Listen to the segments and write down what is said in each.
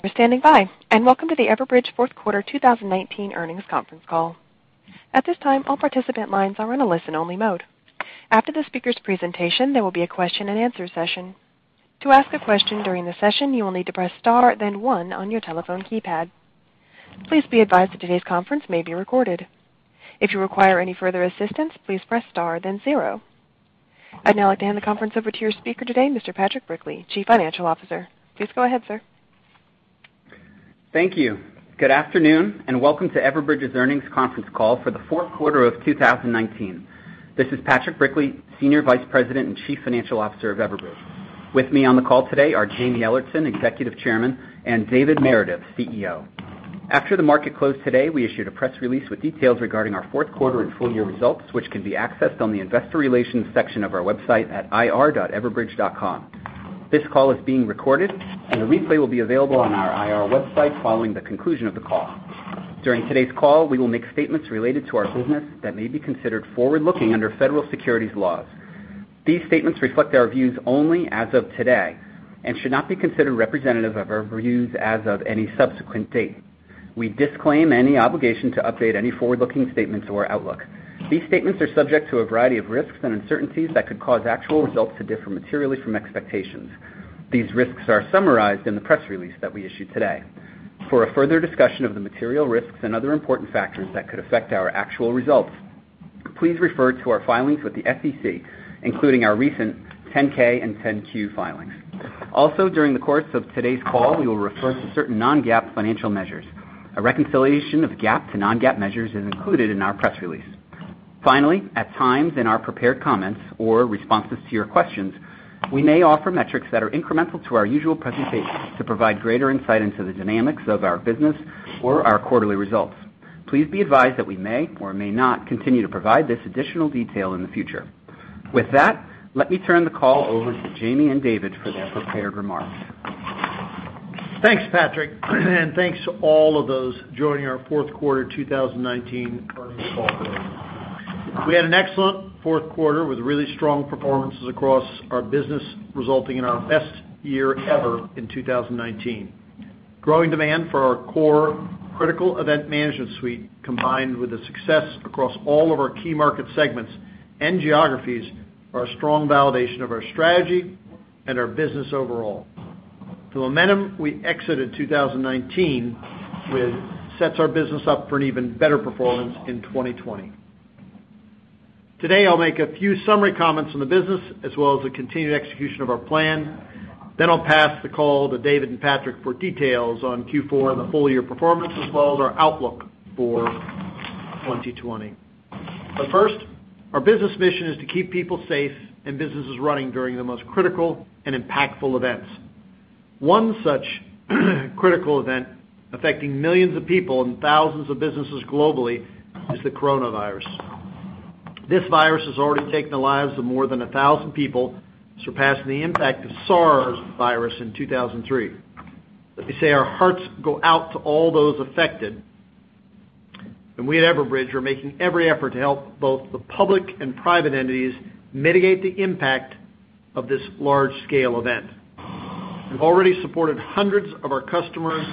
For standing by. Welcome to the Everbridge fourth quarter 2019 earnings conference call. At this time, all participant lines are in a listen-only mode. After the speaker's presentation, there will be a question and answer session. To ask a question during the session, you will need to press star then one on your telephone keypad. Please be advised that today's conference may be recorded. If you require any further assistance, please press star then zero. I'd now like to hand the conference over to your speaker today, Mr. Patrick Brickley, Chief Financial Officer. Please go ahead, sir. Thank you. Good afternoon, and welcome to Everbridge's earnings conference call for the fourth quarter of 2019. This is Patrick Brickley, Senior Vice President and Chief Financial Officer of Everbridge. With me on the call today are Jaime Ellertson, Executive Chairman, and David Meredith, CEO. After the market closed today, we issued a press release with details regarding our fourth quarter and full year results, which can be accessed on the investor relations section of our website at ir.everbridge.com. This call is being recorded, and the replay will be available on our IR website following the conclusion of the call. During today's call, we will make statements related to our business that may be considered forward-looking under federal securities laws. These statements reflect our views only as of today and should not be considered representative of our views as of any subsequent date. We disclaim any obligation to update any forward-looking statements or outlook. These statements are subject to a variety of risks and uncertainties that could cause actual results to differ materially from expectations. These risks are summarized in the press release that we issued today. For a further discussion of the material risks and other important factors that could affect our actual results, please refer to our filings with the SEC, including our recent 10-K and 10-Q filings. Also, during the course of today's call, we will refer to certain non-GAAP financial measures. A reconciliation of GAAP to non-GAAP measures is included in our press release. Finally, at times in our prepared comments or responses to your questions, we may offer metrics that are incremental to our usual presentations to provide greater insight into the dynamics of our business or our quarterly results. Please be advised that we may or may not continue to provide this additional detail in the future. With that, let me turn the call over to Jaime and David for their prepared remarks. Thanks, Patrick, and thanks to all of those joining our fourth quarter 2019 earnings call today. We had an excellent fourth quarter with really strong performances across our business, resulting in our best year ever in 2019. Growing demand for our core Critical Event Management suite, combined with the success across all of our key market segments and geographies are a strong validation of our strategy and our business overall. The momentum we exited 2019 with sets our business up for an even better performance in 2020. Today, I'll make a few summary comments on the business as well as the continued execution of our plan. I'll pass the call to David and Patrick for details on Q4 and the full-year performance, as well as our outlook for 2020. First, our business mission is to keep people safe and businesses running during the most critical and impactful events. One such critical event affecting millions of people and thousands of businesses globally is the coronavirus. This virus has already taken the lives of more than 1,000 people, surpassing the impact of SARS virus in 2003. Let me say our hearts go out to all those affected. We at Everbridge are making every effort to help both the public and private entities mitigate the impact of this large-scale event. We've already supported hundreds of our customers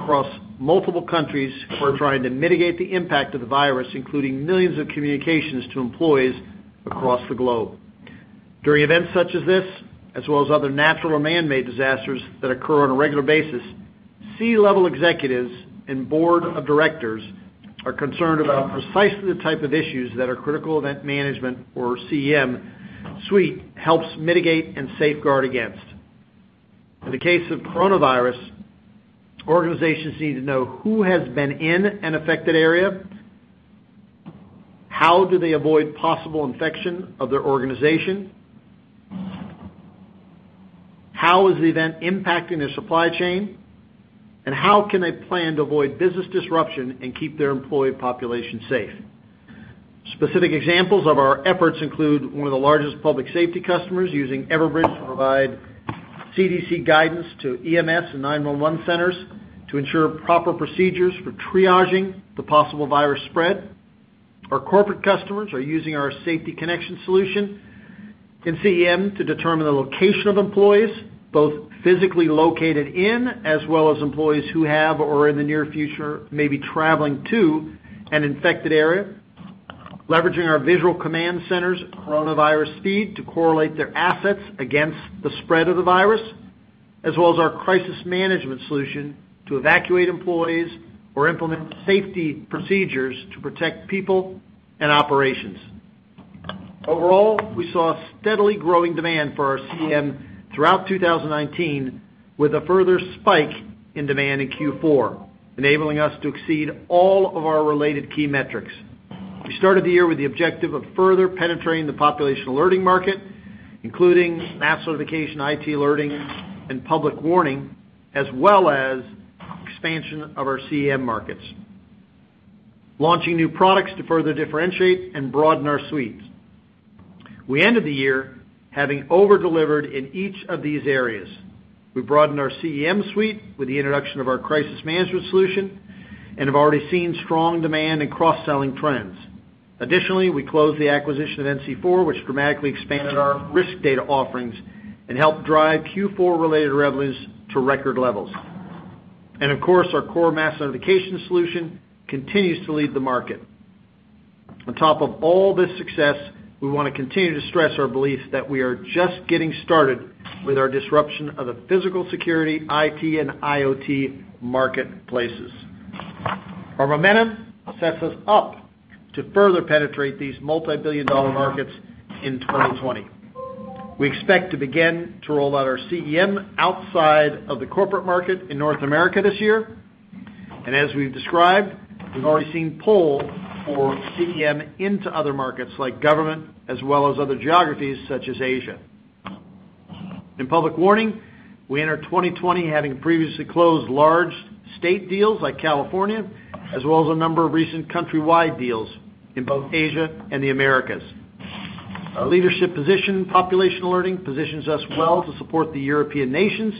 across multiple countries who are trying to mitigate the impact of the virus, including millions of communications to employees across the globe. During events such as this, as well as other natural or man-made disasters that occur on a regular basis, C-level executives and board of directors are concerned about precisely the type of issues that our Critical Event Management or CEM suite helps mitigate and safeguard against. In the case of coronavirus, organizations need to know who has been in an affected area, how do they avoid possible infection of their organization, how is the event impacting their supply chain, and how can they plan to avoid business disruption and keep their employee population safe. Specific examples of our efforts include one of the largest public safety customers using Everbridge to provide CDC guidance to EMS and 911 centers to ensure proper procedures for triaging the possible virus spread. Our corporate customers are using our Safety Connection solution in CEM to determine the location of employees, both physically located in, as well as employees who have or in the near future may be traveling to an infected area. Leveraging our Visual Command Center's coronavirus feed to correlate their assets against the spread of the virus, as well as our Crisis Management solution to evacuate employees or implement safety procedures to protect people and operations. Overall, we saw steadily growing demand for our CEM throughout 2019 with a further spike in demand in Q4, enabling us to exceed all of our related key metrics. We started the year with the objective of further penetrating the population alerting market, including Mass Notification, IT Alerting, and Public Warning, as well as expansion of our CEM markets. Launching new products to further differentiate and broaden our suites. We ended the year having over-delivered in each of these areas. We broadened our CEM suite with the introduction of our Crisis Management solution. We have already seen strong demand in cross-selling trends. Additionally, we closed the acquisition of NC4, which dramatically expanded our risk data offerings and helped drive Q4-related revenues to record levels. Of course, our core Mass Notification solution continues to lead the market. On top of all this success, we want to continue to stress our belief that we are just getting started with our disruption of the physical security, IT, and IoT marketplaces. Our momentum sets us up to further penetrate these multibillion-dollar markets in 2020. We expect to begin to roll out our CEM outside of the corporate market in North America this year. As we've described, we've already seen pull for CEM into other markets like government as well as other geographies such as Asia. In Public Warning, we enter 2020 having previously closed large state deals like California, as well as a number of recent country-wide deals in both Asia and the Americas. Our leadership position in population alerting positions us well to support the European nations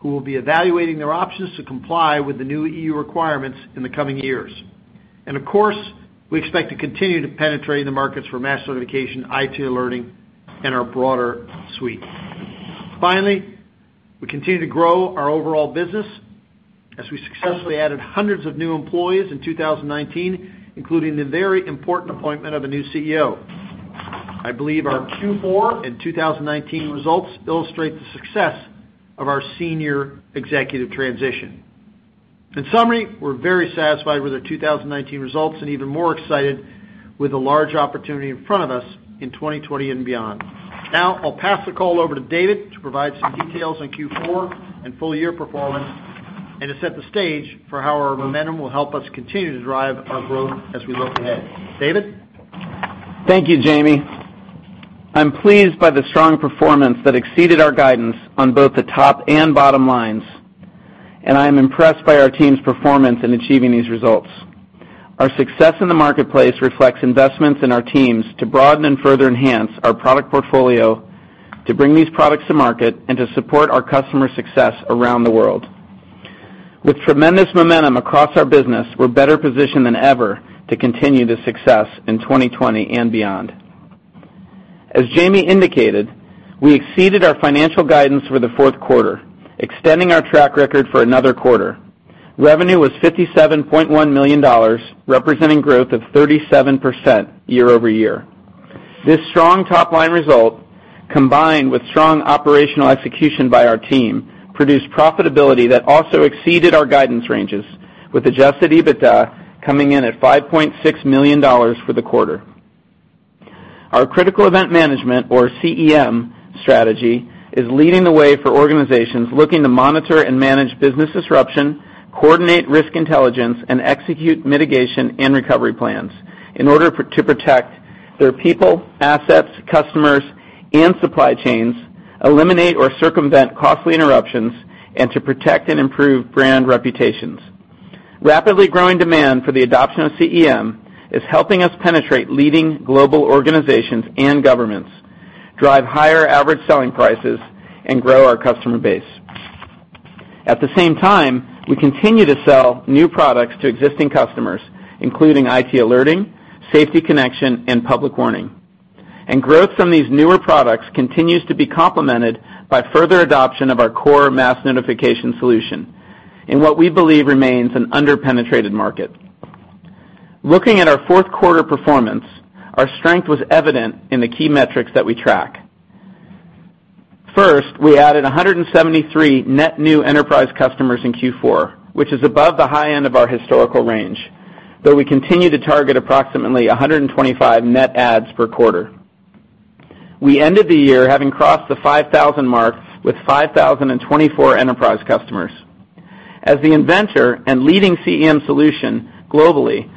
who will be evaluating their options to comply with the new EU requirements in the coming years. Of course, we expect to continue to penetrate the markets for Mass Notification, IT Alerting, and our broader suite. Finally, we continue to grow our overall business as we successfully added hundreds of new employees in 2019, including the very important appointment of a new CEO. I believe our Q4 and 2019 results illustrate the success of our senior executive transition. In summary, we're very satisfied with our 2019 results and even more excited with the large opportunity in front of us in 2020 and beyond. Now, I'll pass the call over to David to provide some details on Q4 and full-year performance and to set the stage for how our momentum will help us continue to drive our growth as we look ahead. David? Thank you, Jaime. I'm pleased by the strong performance that exceeded our guidance on both the top and bottom lines, and I am impressed by our team's performance in achieving these results. Our success in the marketplace reflects investments in our teams to broaden and further enhance our product portfolio, to bring these products to market, and to support our customer success around the world. With tremendous momentum across our business, we're better positioned than ever to continue this success in 2020 and beyond. As Jaime indicated, we exceeded our financial guidance for the fourth quarter, extending our track record for another quarter. Revenue was $57.1 million, representing growth of 37% year-over-year. This strong top-line result, combined with strong operational execution by our team, produced profitability that also exceeded our guidance ranges, with adjusted EBITDA coming in at $5.6 million for the quarter. Our Critical Event Management, or CEM strategy, is leading the way for organizations looking to monitor and manage business disruption, coordinate risk intelligence, and execute mitigation and recovery plans in order to protect their people, assets, customers, and supply chains, eliminate or circumvent costly interruptions, and to protect and improve brand reputations. Rapidly growing demand for the adoption of CEM is helping us penetrate leading global organizations and governments, drive higher average selling prices, and grow our customer base. At the same time, we continue to sell new products to existing customers, including IT Alerting, Safety Connection, and Public Warning. Growth from these newer products continues to be complemented by further adoption of our core Mass Notification solution in what we believe remains an under-penetrated market. Looking at our fourth quarter performance, our strength was evident in the key metrics that we track. First, we added 173 net new enterprise customers in Q4, which is above the high end of our historical range, though we continue to target approximately 125 net adds per quarter. We ended the year having crossed the 5,000 mark with 5,024 enterprise customers. As the inventor and leading CEM solution globally,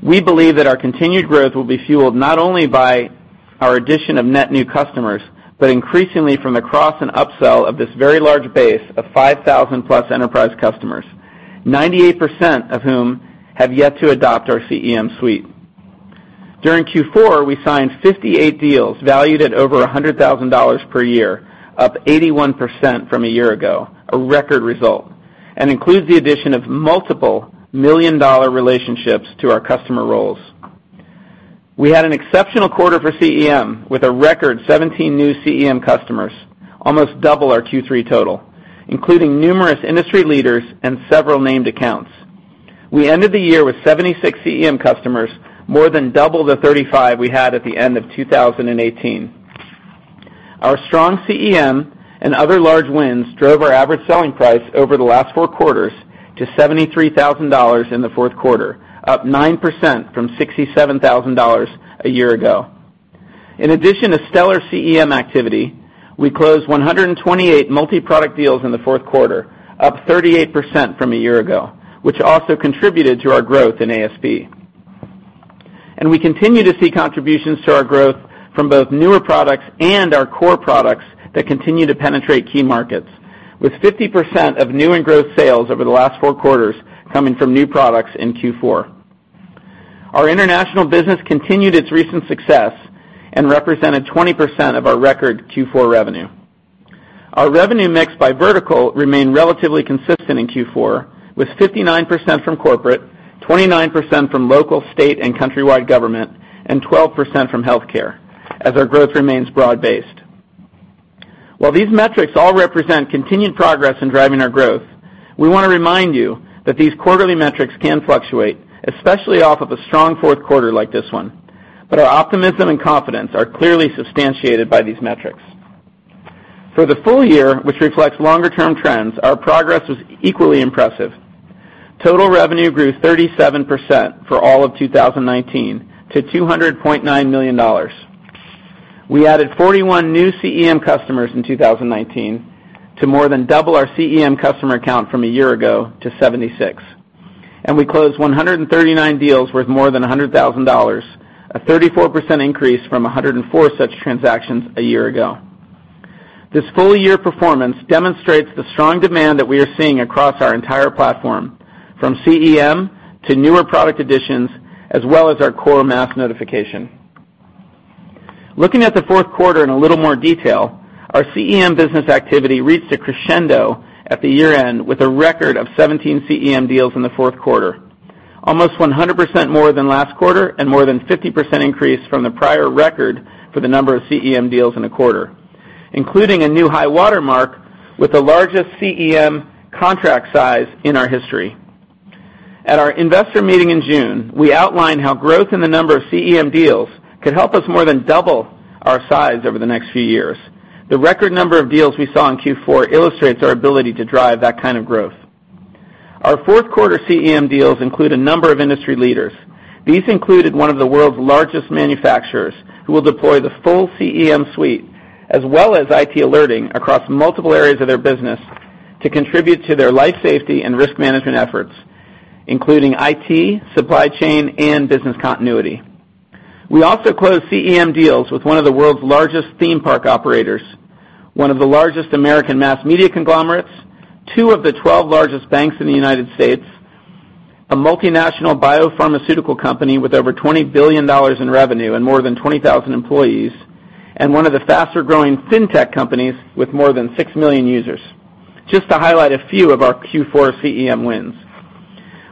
we believe that our continued growth will be fueled not only by our addition of net new customers, but increasingly from the cross and upsell of this very large base of 5,000+ enterprise customers, 98% of whom have yet to adopt our CEM suite. During Q4, we signed 58 deals valued at over $100,000 per year, up 81% from a year ago, a record result, and includes the addition of multiple million-dollar relationships to our customer rolls. We had an exceptional quarter for CEM, with a record 17 new CEM customers, almost double our Q3 total, including numerous industry leaders and several named accounts. We ended the year with 76 CEM customers, more than double the 35 we had at the end of 2018. Our strong CEM and other large wins drove our average selling price over the last four quarters to $73,000 in the fourth quarter, up 9% from $67,000 a year ago. In addition to stellar CEM activity, we closed 128 multiproduct deals in the fourth quarter, up 38% from a year ago, which also contributed to our growth in ASP. We continue to see contributions to our growth from both newer products and our core products that continue to penetrate key markets, with 50% of new and growth sales over the last four quarters coming from new products in Q4. Our international business continued its recent success and represented 20% of our record Q4 revenue. Our revenue mix by vertical remained relatively consistent in Q4, with 59% from corporate, 29% from local, state, and countrywide government, and 12% from healthcare, as our growth remains broad-based. While these metrics all represent continued progress in driving our growth, we want to remind you that these quarterly metrics can fluctuate, especially off of a strong fourth quarter like this one. Our optimism and confidence are clearly substantiated by these metrics. For the full year, which reflects longer-term trends, our progress was equally impressive. Total revenue grew 37% for all of 2019 to $200.9 million. We added 41 new CEM customers in 2019 to more than double our CEM customer count from a year ago to 76. We closed 139 deals worth more than $100,000, a 34% increase from 104 such transactions a year ago. This full-year performance demonstrates the strong demand that we are seeing across our entire platform, from CEM to newer product additions, as well as our core Mass Notification. Looking at the fourth quarter in a little more detail, our CEM business activity reached a crescendo at the year-end with a record of 17 CEM deals in the fourth quarter. Almost 100% more than last quarter and more than 50% increase from the prior record for the number of CEM deals in a quarter, including a new high watermark with the largest CEM contract size in our history. At our investor meeting in June, we outlined how growth in the number of CEM deals could help us more than double our size over the next few years. The record number of deals we saw in Q4 illustrates our ability to drive that kind of growth. Our fourth quarter CEM deals include a number of industry leaders. These included one of the world's largest manufacturers, who will deploy the full CEM suite, as well as IT Alerting across multiple areas of their business to contribute to their life safety and risk management efforts, including IT, supply chain, and business continuity. We also closed CEM deals with one of the world's largest theme park operators, one of the largest American mass media conglomerates, two of the 12 largest banks in the United States, a multinational biopharmaceutical company with over $20 billion in revenue and more than 20,000 employees, and one of the faster-growing fintech companies with more than 6 million users, just to highlight a few of our Q4 CEM wins.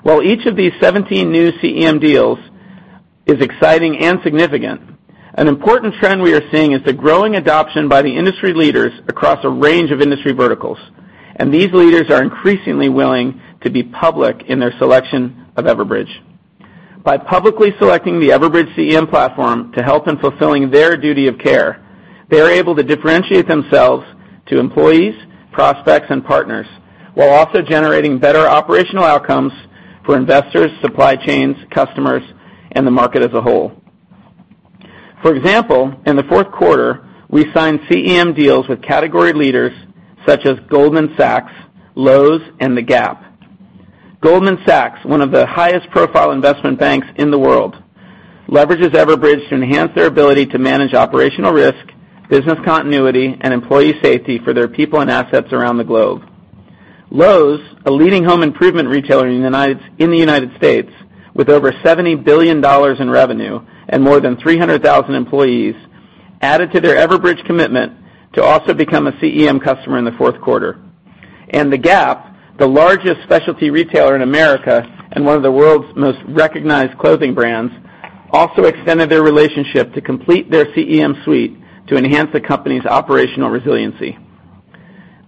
While each of these 17 new CEM deals is exciting and significant, an important trend we are seeing is the growing adoption by the industry leaders across a range of industry verticals, and these leaders are increasingly willing to be public in their selection of Everbridge. By publicly selecting the Everbridge CEM platform to help in fulfilling their duty of care, they are able to differentiate themselves to employees, prospects, and partners while also generating better operational outcomes for investors, supply chains, customers, and the market as a whole. For example, in the fourth quarter, we signed CEM deals with category leaders such as Goldman Sachs, Lowe's, and The Gap. Goldman Sachs, one of the highest profile investment banks in the world, leverages Everbridge to enhance their ability to manage operational risk, business continuity, and employee safety for their people and assets around the globe. Lowe's, a leading home improvement retailer in the United States with over $70 billion in revenue and more than 300,000 employees, added to their Everbridge commitment to also become a CEM customer in the fourth quarter. The Gap, the largest specialty retailer in America and one of the world's most recognized clothing brands, also extended their relationship to complete their CEM suite to enhance the company's operational resiliency.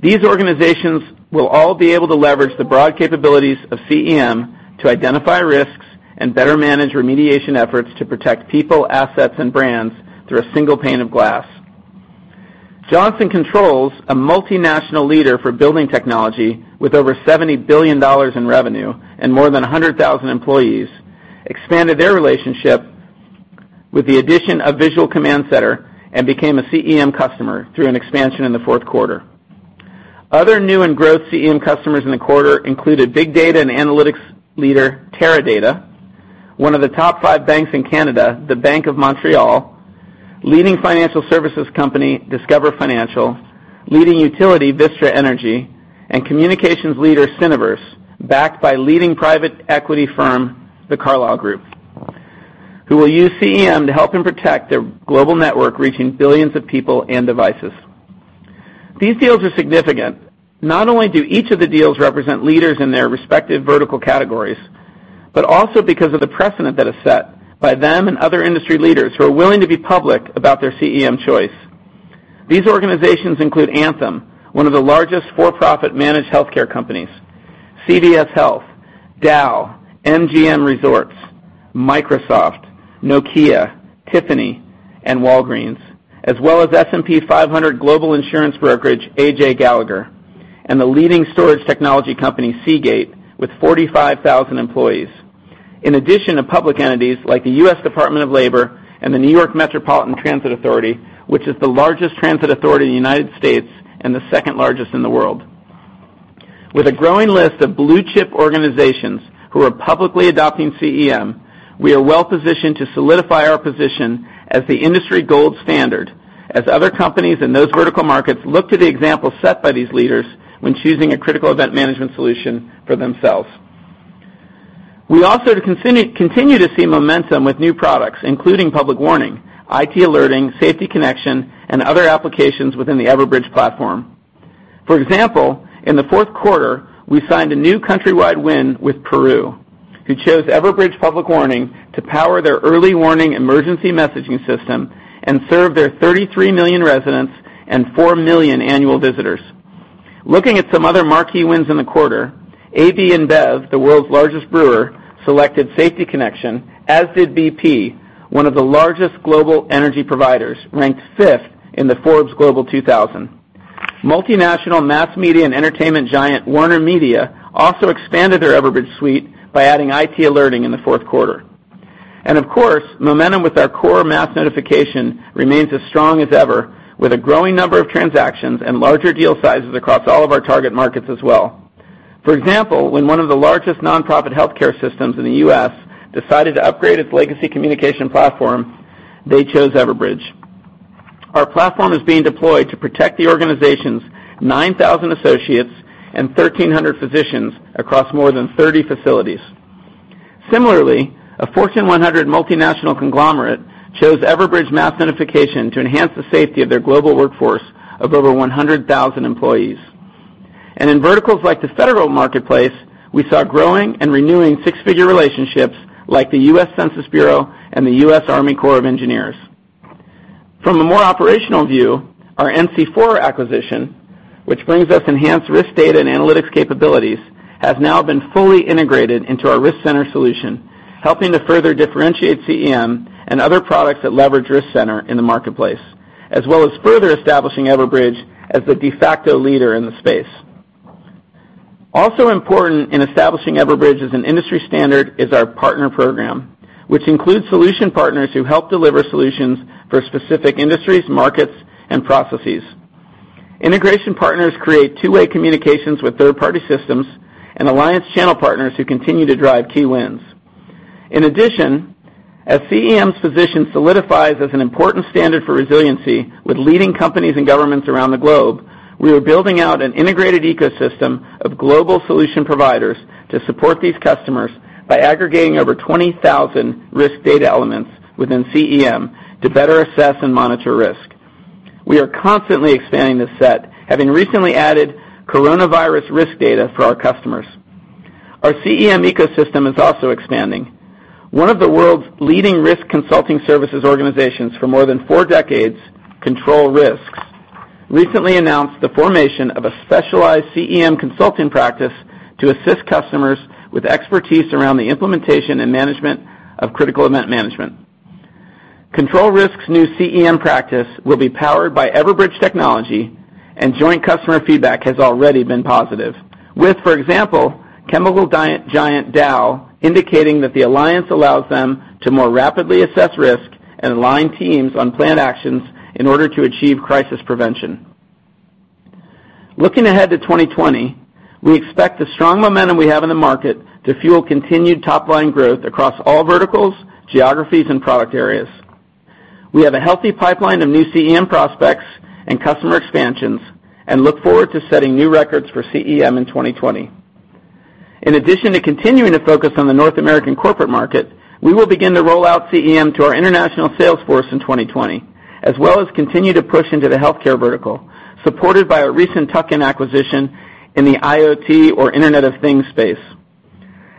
These organizations will all be able to leverage the broad capabilities of CEM to identify risks and better manage remediation efforts to protect people, assets, and brands through a single pane of glass. Johnson Controls, a multinational leader for building technology with over $70 billion in revenue and more than 100,000 employees, expanded their relationship with the addition of Visual Command Center and became a CEM customer through an expansion in the fourth quarter. Other new and growth CEM customers in the quarter included big data and analytics leader Teradata, one of the top five banks in Canada, the Bank of Montreal, leading financial services company Discover Financial, leading utility Vistra Energy, and communications leader Syniverse, backed by leading private equity firm The Carlyle Group, who will use CEM to help them protect their global network, reaching billions of people and devices. These deals are significant. Not only do each of the deals represent leaders in their respective vertical categories, but also because of the precedent that is set by them and other industry leaders who are willing to be public about their CEM choice. These organizations include Anthem, one of the largest for-profit managed healthcare companies, CVS Health, Dow, MGM Resorts, Microsoft, Nokia, Tiffany, and Walgreens, as well as S&P 500 global insurance brokerage AJ Gallagher, and the leading storage technology company Seagate with 45,000 employees. In addition to public entities like the U.S. Department of Labor and the New York Metropolitan Transit Authority, which is the largest transit authority in the United States and the second largest in the world. With a growing list of blue-chip organizations who are publicly adopting CEM, we are well-positioned to solidify our position as the industry gold standard. As other companies in those vertical markets look to the example set by these leaders when choosing a Critical Event Management solution for themselves. We also continue to see momentum with new products, including Public Warning, IT Alerting, Safety Connection, and other applications within the Everbridge platform. For example, in the fourth quarter, we signed a new countrywide win with Peru, who chose Everbridge Public Warning to power their early warning emergency messaging system and serve their 33 million residents and 4 million annual visitors. Looking at some other marquee wins in the quarter, AB InBev, the world's largest brewer, selected Safety Connection, as did BP, one of the largest global energy providers, ranked fifth in the Forbes Global 2000. Multinational mass media and entertainment giant WarnerMedia also expanded their Everbridge suite by adding IT Alerting in the fourth quarter. Of course, momentum with our core Mass Notification remains as strong as ever, with a growing number of transactions and larger deal sizes across all of our target markets as well. For example, when one of the largest non-profit healthcare systems in the U.S. decided to upgrade its legacy communication platform, they chose Everbridge. Our platform is being deployed to protect the organization's 9,000 associates and 1,300 physicians across more than 30 facilities. Similarly, a Fortune 100 multinational conglomerate chose Everbridge Mass Notification to enhance the safety of their global workforce of over 100,000 employees. In verticals like the federal marketplace, we saw growing and renewing six-figure relationships like the U.S. Census Bureau and the U.S. Army Corps of Engineers. From a more operational view, our NC4 acquisition, which brings us enhanced risk data and analytics capabilities, has now been fully integrated into our Risk Center solution, helping to further differentiate CEM and other products that leverage Risk Center in the marketplace, as well as further establishing Everbridge as the de facto leader in the space. Also important in establishing Everbridge as an industry standard is our partner program, which includes solution partners who help deliver solutions for specific industries, markets, and processes. Integration partners create two-way communications with third-party systems and alliance channel partners who continue to drive key wins. In addition, as CEM's position solidifies as an important standard for resiliency with leading companies and governments around the globe, we are building out an integrated ecosystem of global solution providers to support these customers by aggregating over 20,000 risk data elements within CEM to better assess and monitor risk. We are constantly expanding this set, having recently added coronavirus risk data for our customers. Our CEM ecosystem is also expanding. One of the world's leading risk consulting services organizations for more than four decades, Control Risks, recently announced the formation of a specialized CEM consulting practice to assist customers with expertise around the implementation and management of Critical Event Management. Control Risks' new CEM practice will be powered by Everbridge technology, and joint customer feedback has already been positive with, for example, chemical giant Dow indicating that the alliance allows them to more rapidly assess risk and align teams on plan actions in order to achieve crisis prevention. Looking ahead to 2020, we expect the strong momentum we have in the market to fuel continued top-line growth across all verticals, geographies, and product areas. We have a healthy pipeline of new CEM prospects and customer expansions and look forward to setting new records for CEM in 2020. In addition to continuing to focus on the North American corporate market, we will begin to roll out CEM to our international sales force in 2020, as well as continue to push into the healthcare vertical, supported by our recent tuck-in acquisition in the IoT or Internet of Things space.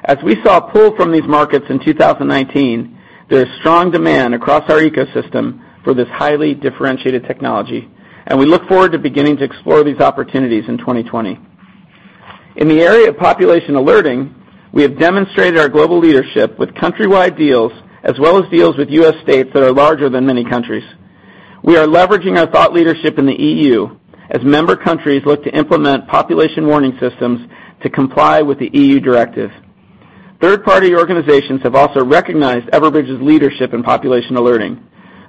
As we saw pull from these markets in 2019, there's strong demand across our ecosystem for this highly differentiated technology. We look forward to beginning to explore these opportunities in 2020. In the area of population alerting, we have demonstrated our global leadership with countrywide deals, as well as deals with U.S. states that are larger than many countries. We are leveraging our thought leadership in the EU as member countries look to implement population warning systems to comply with the EU directive. Third-party organizations have also recognized Everbridge's leadership in population alerting.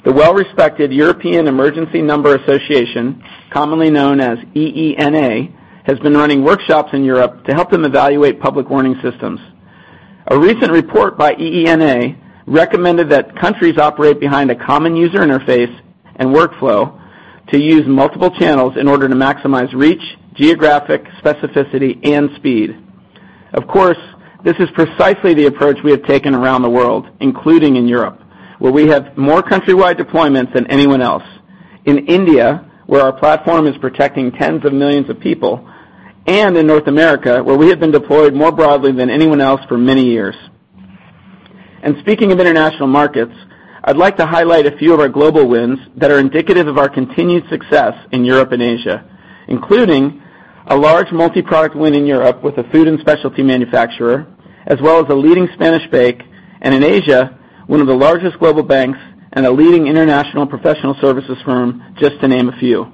The well-respected European Emergency Number Association, commonly known as EENA, has been running workshops in Europe to help them evaluate public warning systems. A recent report by EENA recommended that countries operate behind a common user interface and workflow to use multiple channels in order to maximize reach, geographic specificity, and speed. This is precisely the approach we have taken around the world, including in Europe, where we have more countrywide deployments than anyone else, in India, where our platform is protecting tens of millions of people, and in North America, where we have been deployed more broadly than anyone else for many years. Speaking of international markets, I'd like to highlight a few of our global wins that are indicative of our continued success in Europe and Asia, including a large multi-product win in Europe with a food and specialty manufacturer, as well as a leading Spanish bank, and in Asia, one of the largest global banks and a leading international professional services firm, just to name a few.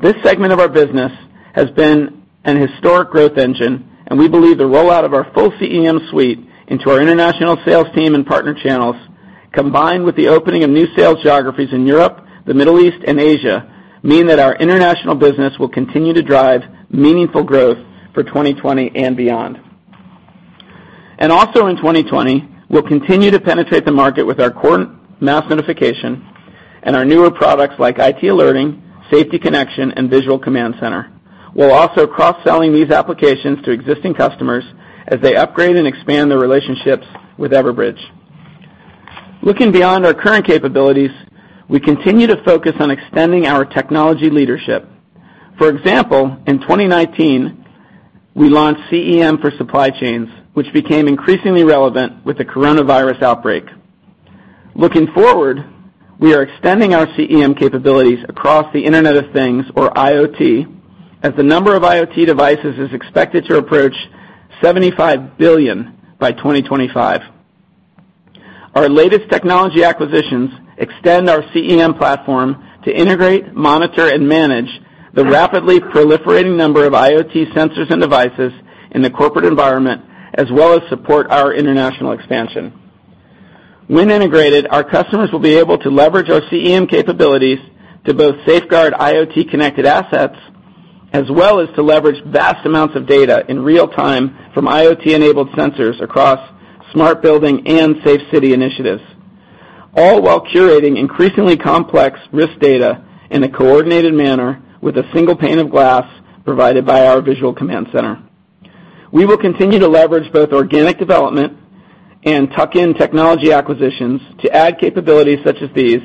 This segment of our business has been an historic growth engine, we believe the rollout of our full CEM suite into our international sales team and partner channels, combined with the opening of new sales geographies in Europe, the Middle East, and Asia, mean that our international business will continue to drive meaningful growth for 2020 and beyond. Also in 2020, we'll continue to penetrate the market with our core Mass Notification and our newer products like IT Alerting, Safety Connection, and Visual Command Center. We're also cross-selling these applications to existing customers as they upgrade and expand their relationships with Everbridge. Looking beyond our current capabilities, we continue to focus on extending our technology leadership. For example, in 2019, we launched CEM for Supply Chain, which became increasingly relevant with the coronavirus outbreak. Looking forward, we are extending our CEM capabilities across the Internet of Things, or IoT, as the number of IoT devices is expected to approach 75 billion by 2025. Our latest technology acquisitions extend our CEM platform to integrate, monitor, and manage the rapidly proliferating number of IoT sensors and devices in the corporate environment, as well as support our international expansion. When integrated, our customers will be able to leverage our CEM capabilities to both safeguard IoT-connected assets, as well as to leverage vast amounts of data in real time from IoT-enabled sensors across smart building and safe city initiatives, all while curating increasingly complex risk data in a coordinated manner with a single pane of glass provided by our Visual Command Center. We will continue to leverage both organic development and tuck-in technology acquisitions to add capabilities such as these,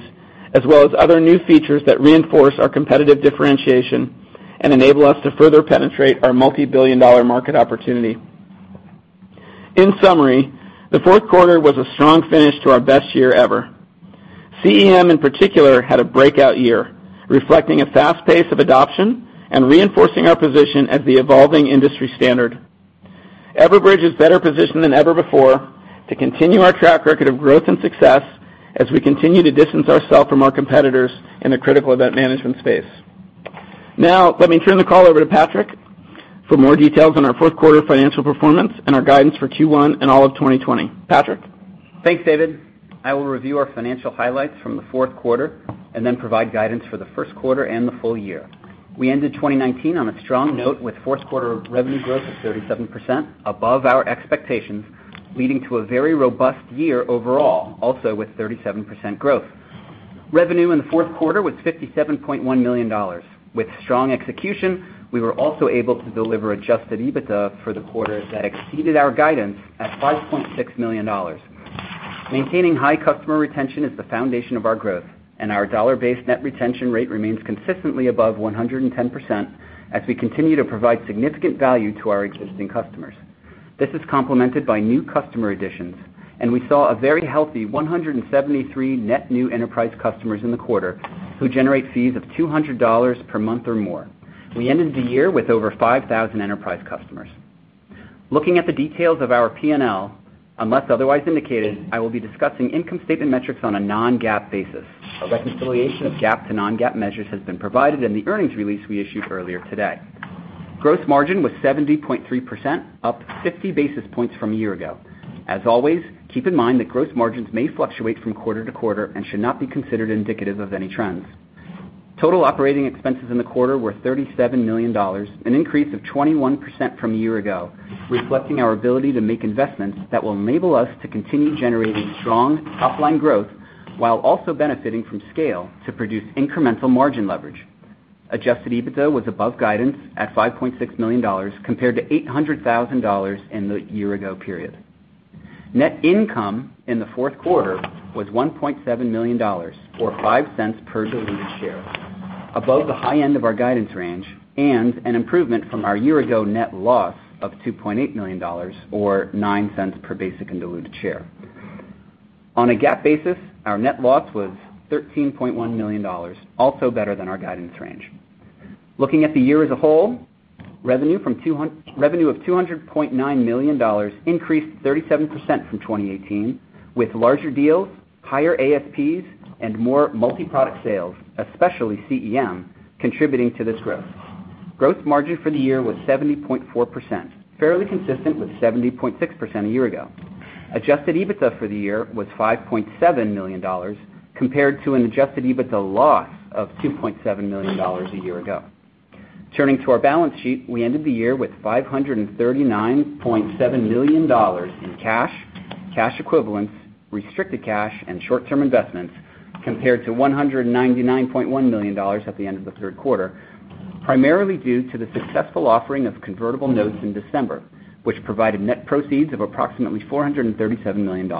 as well as other new features that reinforce our competitive differentiation and enable us to further penetrate our multibillion-dollar market opportunity. In summary, the fourth quarter was a strong finish to our best year ever. CEM in particular had a breakout year, reflecting a fast pace of adoption and reinforcing our position as the evolving industry standard. Everbridge is better positioned than ever before to continue our track record of growth and success as we continue to distance ourselves from our competitors in the Critical Event Management space. Now, let me turn the call over to Patrick for more details on our fourth quarter financial performance and our guidance for Q1 and all of 2020. Patrick? Thanks, David. I will review our financial highlights from the fourth quarter and then provide guidance for the first quarter and the full year. We ended 2019 on a strong note with fourth quarter revenue growth of 37%, above our expectations, leading to a very robust year overall, also with 37% growth. Revenue in the fourth quarter was $57.1 million. With strong execution, we were also able to deliver adjusted EBITDA for the quarter that exceeded our guidance at $5.6 million. Maintaining high customer retention is the foundation of our growth, and our dollar-based net retention rate remains consistently above 110% as we continue to provide significant value to our existing customers. This is complemented by new customer additions, and we saw a very healthy 173 net new enterprise customers in the quarter who generate fees of $200 per month or more. We ended the year with over 5,000 enterprise customers. Looking at the details of our P&L, unless otherwise indicated, I will be discussing income statement metrics on a non-GAAP basis. A reconciliation of GAAP to non-GAAP measures has been provided in the earnings release we issued earlier today. Gross margin was 70.3%, up 50 basis points from a year ago. As always, keep in mind that gross margins may fluctuate from quarter to quarter and should not be considered indicative of any trends. Total operating expenses in the quarter were $37 million, an increase of 21% from a year ago, reflecting our ability to make investments that will enable us to continue generating strong top-line growth while also benefiting from scale to produce incremental margin leverage. Adjusted EBITDA was above guidance at $5.6 million, compared to $800,000 in the year-ago period. Net income in the fourth quarter was $1.7 million, or $0.05 per diluted share, above the high end of our guidance range and an improvement from our year-ago net loss of $2.8 million, or $0.09 per basic and diluted share. On a GAAP basis, our net loss was $13.1 million, also better than our guidance range. Looking at the year as a whole, revenue of $200.9 million increased 37% from 2018, with larger deals, higher ASPs, and more multiproduct sales, especially CEM, contributing to this growth. Gross margin for the year was 70.4%, fairly consistent with 70.6% a year ago. Adjusted EBITDA for the year was $5.7 million, compared to an adjusted EBITDA loss of $2.7 million a year ago. Turning to our balance sheet, we ended the year with $539.7 million in cash equivalents, restricted cash, and short-term investments, compared to $199.1 million at the end of the third quarter, primarily due to the successful offering of convertible notes in December, which provided net proceeds of approximately $437 million.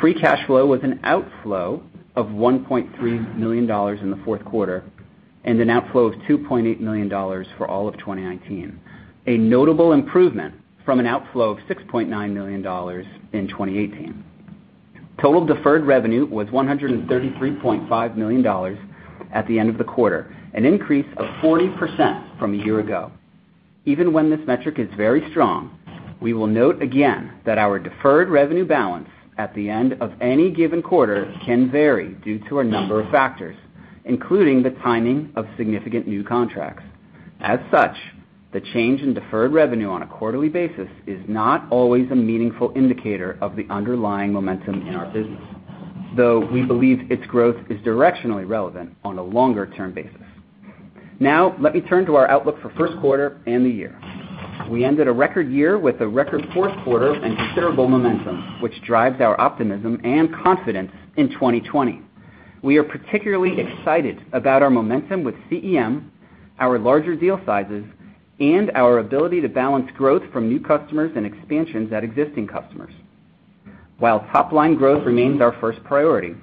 Free cash flow was an outflow of $1.3 million in the fourth quarter and an outflow of $2.8 million for all of 2019, a notable improvement from an outflow of $6.9 million in 2018. Total deferred revenue was $133.5 million at the end of the quarter, an increase of 40% from a year ago. Even when this metric is very strong, we will note again that our deferred revenue balance at the end of any given quarter can vary due to a number of factors, including the timing of significant new contracts. As such, the change in deferred revenue on a quarterly basis is not always a meaningful indicator of the underlying momentum in our business, though we believe its growth is directionally relevant on a longer-term basis. Let me turn to our outlook for first quarter and the year. We ended a record year with a record fourth quarter and considerable momentum, which drives our optimism and confidence in 2020. We are particularly excited about our momentum with CEM, our larger deal sizes, and our ability to balance growth from new customers and expansions at existing customers. While top-line growth remains our first priority,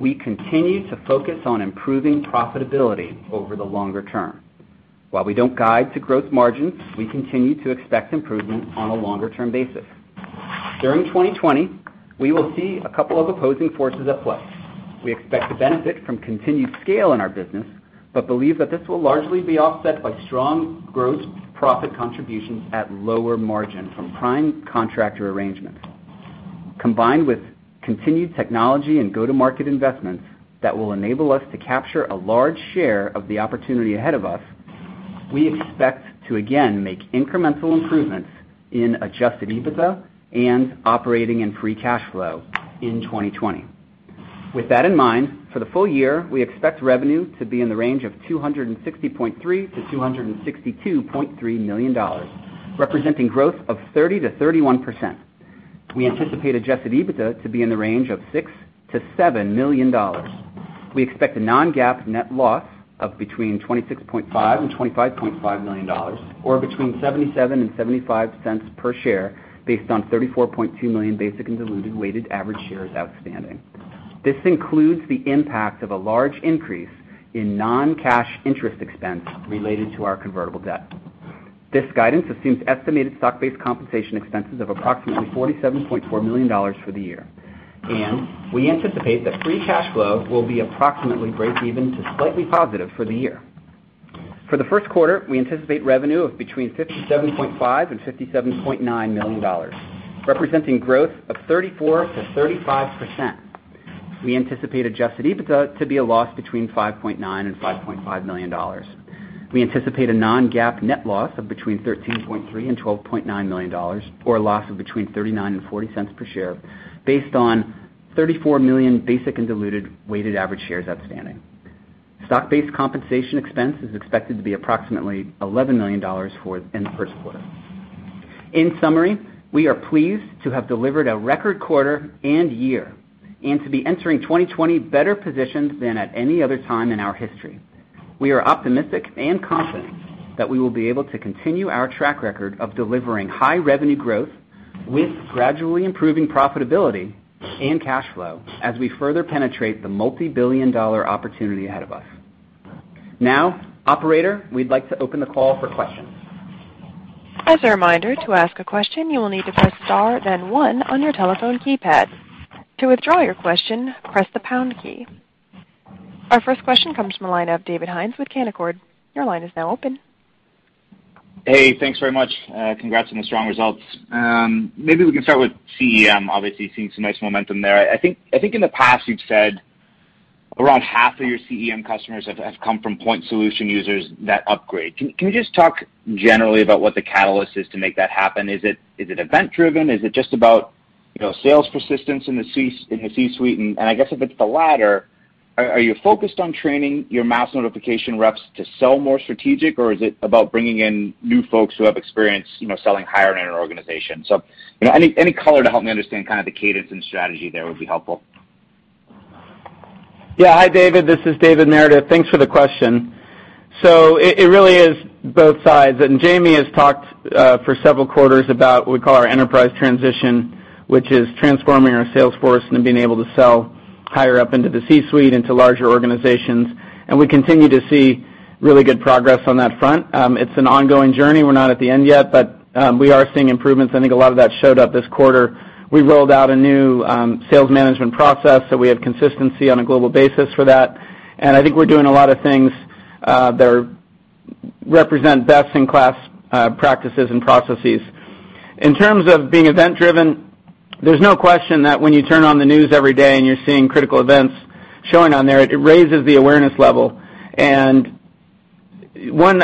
we continue to focus on improving profitability over the longer term. While we don't guide to growth margins, we continue to expect improvement on a longer-term basis. During 2020, we will see a couple of opposing forces at play. We expect to benefit from continued scale in our business, but believe that this will largely be offset by strong gross profit contributions at lower margin from prime contractor arrangements. Combined with continued technology and go-to-market investments that will enable us to capture a large share of the opportunity ahead of us, we expect to again make incremental improvements in adjusted EBITDA and operating and free cash flow in 2020. With that in mind, for the full year, we expect revenue to be in the range of $260.3 million-$262.3 million, representing growth of 30%-31%. We anticipate adjusted EBITDA to be in the range of $6 million-$7 million. We expect a non-GAAP net loss of between $26.5 million and $25.5 million, or between $0.77 and $0.75 per share based on 34.2 million basic and diluted weighted average shares outstanding. This includes the impact of a large increase in non-cash interest expense related to our convertible debt. This guidance assumes estimated stock-based compensation expenses of approximately $47.4 million for the year, and we anticipate that free cash flow will be approximately breakeven to slightly positive for the year. For the first quarter, we anticipate revenue of between $57.5 million and $57.9 million, representing growth of 34%-35%. We anticipate adjusted EBITDA to be a loss between $5.9 million and $5.5 million. We anticipate a non-GAAP net loss of between $13.3 million and $12.9 million, or a loss of between $0.39 and $0.40 per share based on 34 million basic and diluted weighted average shares outstanding. Stock-based compensation expense is expected to be approximately $11 million in the first quarter. In summary, we are pleased to have delivered a record quarter and year, and to be entering 2020 better positioned than at any other time in our history. We are optimistic and confident that we will be able to continue our track record of delivering high revenue growth with gradually improving profitability and cash flow as we further penetrate the multibillion-dollar opportunity ahead of us. Now, operator, we'd like to open the call for questions. As a reminder, to ask a question, you will need to press star then one on your telephone keypad. To withdraw your question, press the pound key. Our first question comes from the line of David Hynes with Canaccord. Your line is now open. Hey, thanks very much. Congrats on the strong results. Maybe we can start with CEM. Obviously, seeing some nice momentum there. I think in the past you've said around half of your CEM customers have come from point solution users that upgrade. Can you just talk generally about what the catalyst is to make that happen? Is it event driven? Is it just about sales persistence in the C-suite? I guess if it's the latter, are you focused on training your Mass Notification reps to sell more strategic, or is it about bringing in new folks who have experience selling higher in an organization? Any color to help me understand kind of the cadence and strategy there would be helpful. Hi, David. This is David Meredith. Thanks for the question. It really is both sides, and Jaime has talked for several quarters about what we call our enterprise transition, which is transforming our sales force and then being able to sell higher up into the C-suite, into larger organizations, and we continue to see really good progress on that front. It's an ongoing journey. We're not at the end yet, but we are seeing improvements. I think a lot of that showed up this quarter. We rolled out a new sales management process, so we have consistency on a global basis for that, and I think we're doing a lot of things that represent best-in-class practices and processes. In terms of being event driven, there's no question that when you turn on the news every day and you're seeing critical events showing on there, it raises the awareness level. I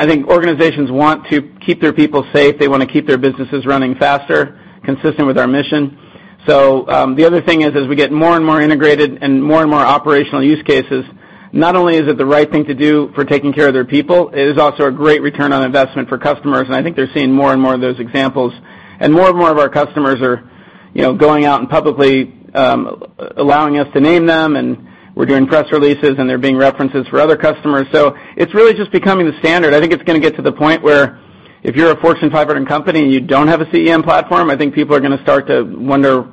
think organizations want to keep their people safe. They want to keep their businesses running faster, consistent with our mission. The other thing is, as we get more and more integrated and more and more operational use cases, not only is it the right thing to do for taking care of their people, it is also a great return on investment for customers. I think they're seeing more and more of those examples. More and more of our customers are going out and publicly allowing us to name them, and we're doing press releases, and they're being references for other customers. It's really just becoming the standard. I think it's going to get to the point where if you're a Fortune 500 company and you don't have a CEM platform, I think people are going to start to wonder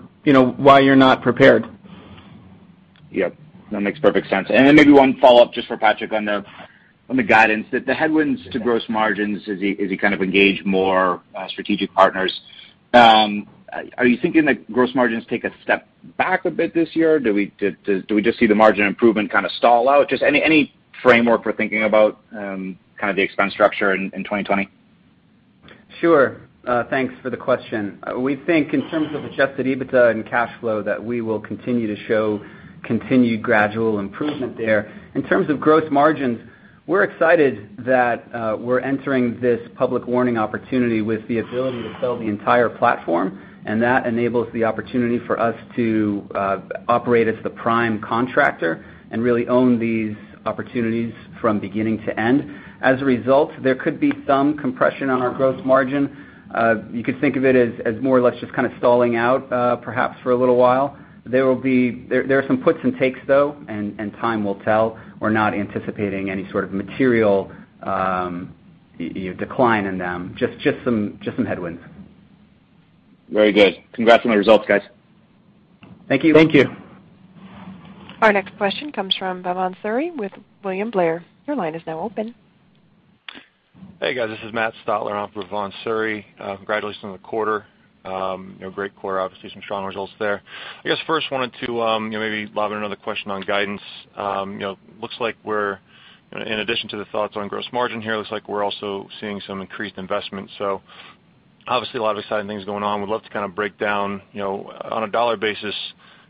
why you're not prepared. Yep. That makes perfect sense. Maybe one follow-up just for Patrick on the guidance, that the headwinds to gross margins as you kind of engage more strategic partners, are you thinking that gross margins take a step back a bit this year? Do we just see the margin improvement kind of stall out? Just any framework for thinking about kind of the expense structure in 2020? Sure. Thanks for the question. We think in terms of adjusted EBITDA and cash flow, that we will continue to show continued gradual improvement there. In terms of gross margins. We're excited that we're entering this Public Warning opportunity with the ability to sell the entire platform, and that enables the opportunity for us to operate as the prime contractor and really own these opportunities from beginning to end. As a result, there could be some compression on our gross margin. You could think of it as more or less just kind of stalling out, perhaps for a little while. There are some puts and takes, though, and time will tell. We're not anticipating any sort of material decline in them, just some headwinds. Very good. Congrats on the results, guys. Thank you. Thank you. Our next question comes from Bhavan Suri with William Blair. Your line is now open. Hey, guys. This is Matt Stotler on for Bhavan Suri. Congratulations on the quarter. Great quarter, obviously some strong results there. I guess first wanted to maybe lob in another question on guidance. Looks like we're, in addition to the thoughts on gross margin here, looks like we're also seeing some increased investment. Obviously, a lot of exciting things going on. Would love to kind of break down, on a dollar basis,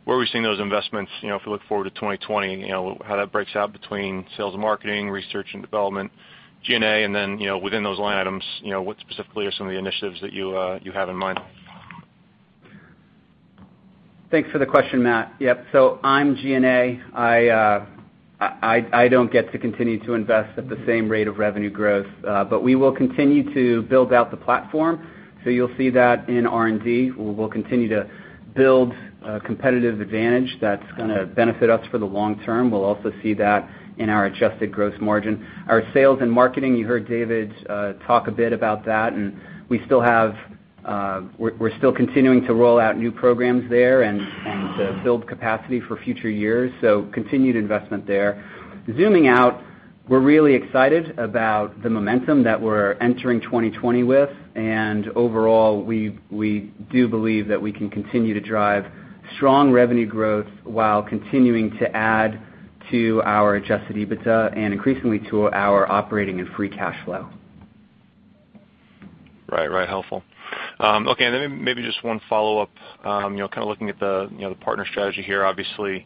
where are we seeing those investments, if we look forward to 2020, how that breaks out between sales and marketing, research and development, G&A, and then, within those line items, what specifically are some of the initiatives that you have in mind? Thanks for the question, Matt. Yep. I'm G&A. I don't get to continue to invest at the same rate of revenue growth. We will continue to build out the platform. You'll see that in R&D. We'll continue to build competitive advantage that's going to benefit us for the long term. We'll also see that in our adjusted gross margin. Our sales and marketing, you heard David talk a bit about that, and we're still continuing to roll out new programs there and to build capacity for future years, so continued investment there. Zooming out, we're really excited about the momentum that we're entering 2020 with. Overall, we do believe that we can continue to drive strong revenue growth while continuing to add to our adjusted EBITDA and increasingly to our operating and free cash flow. Right. Helpful. Okay, then maybe just one follow-up. Kind of looking at the partner strategy here. Obviously,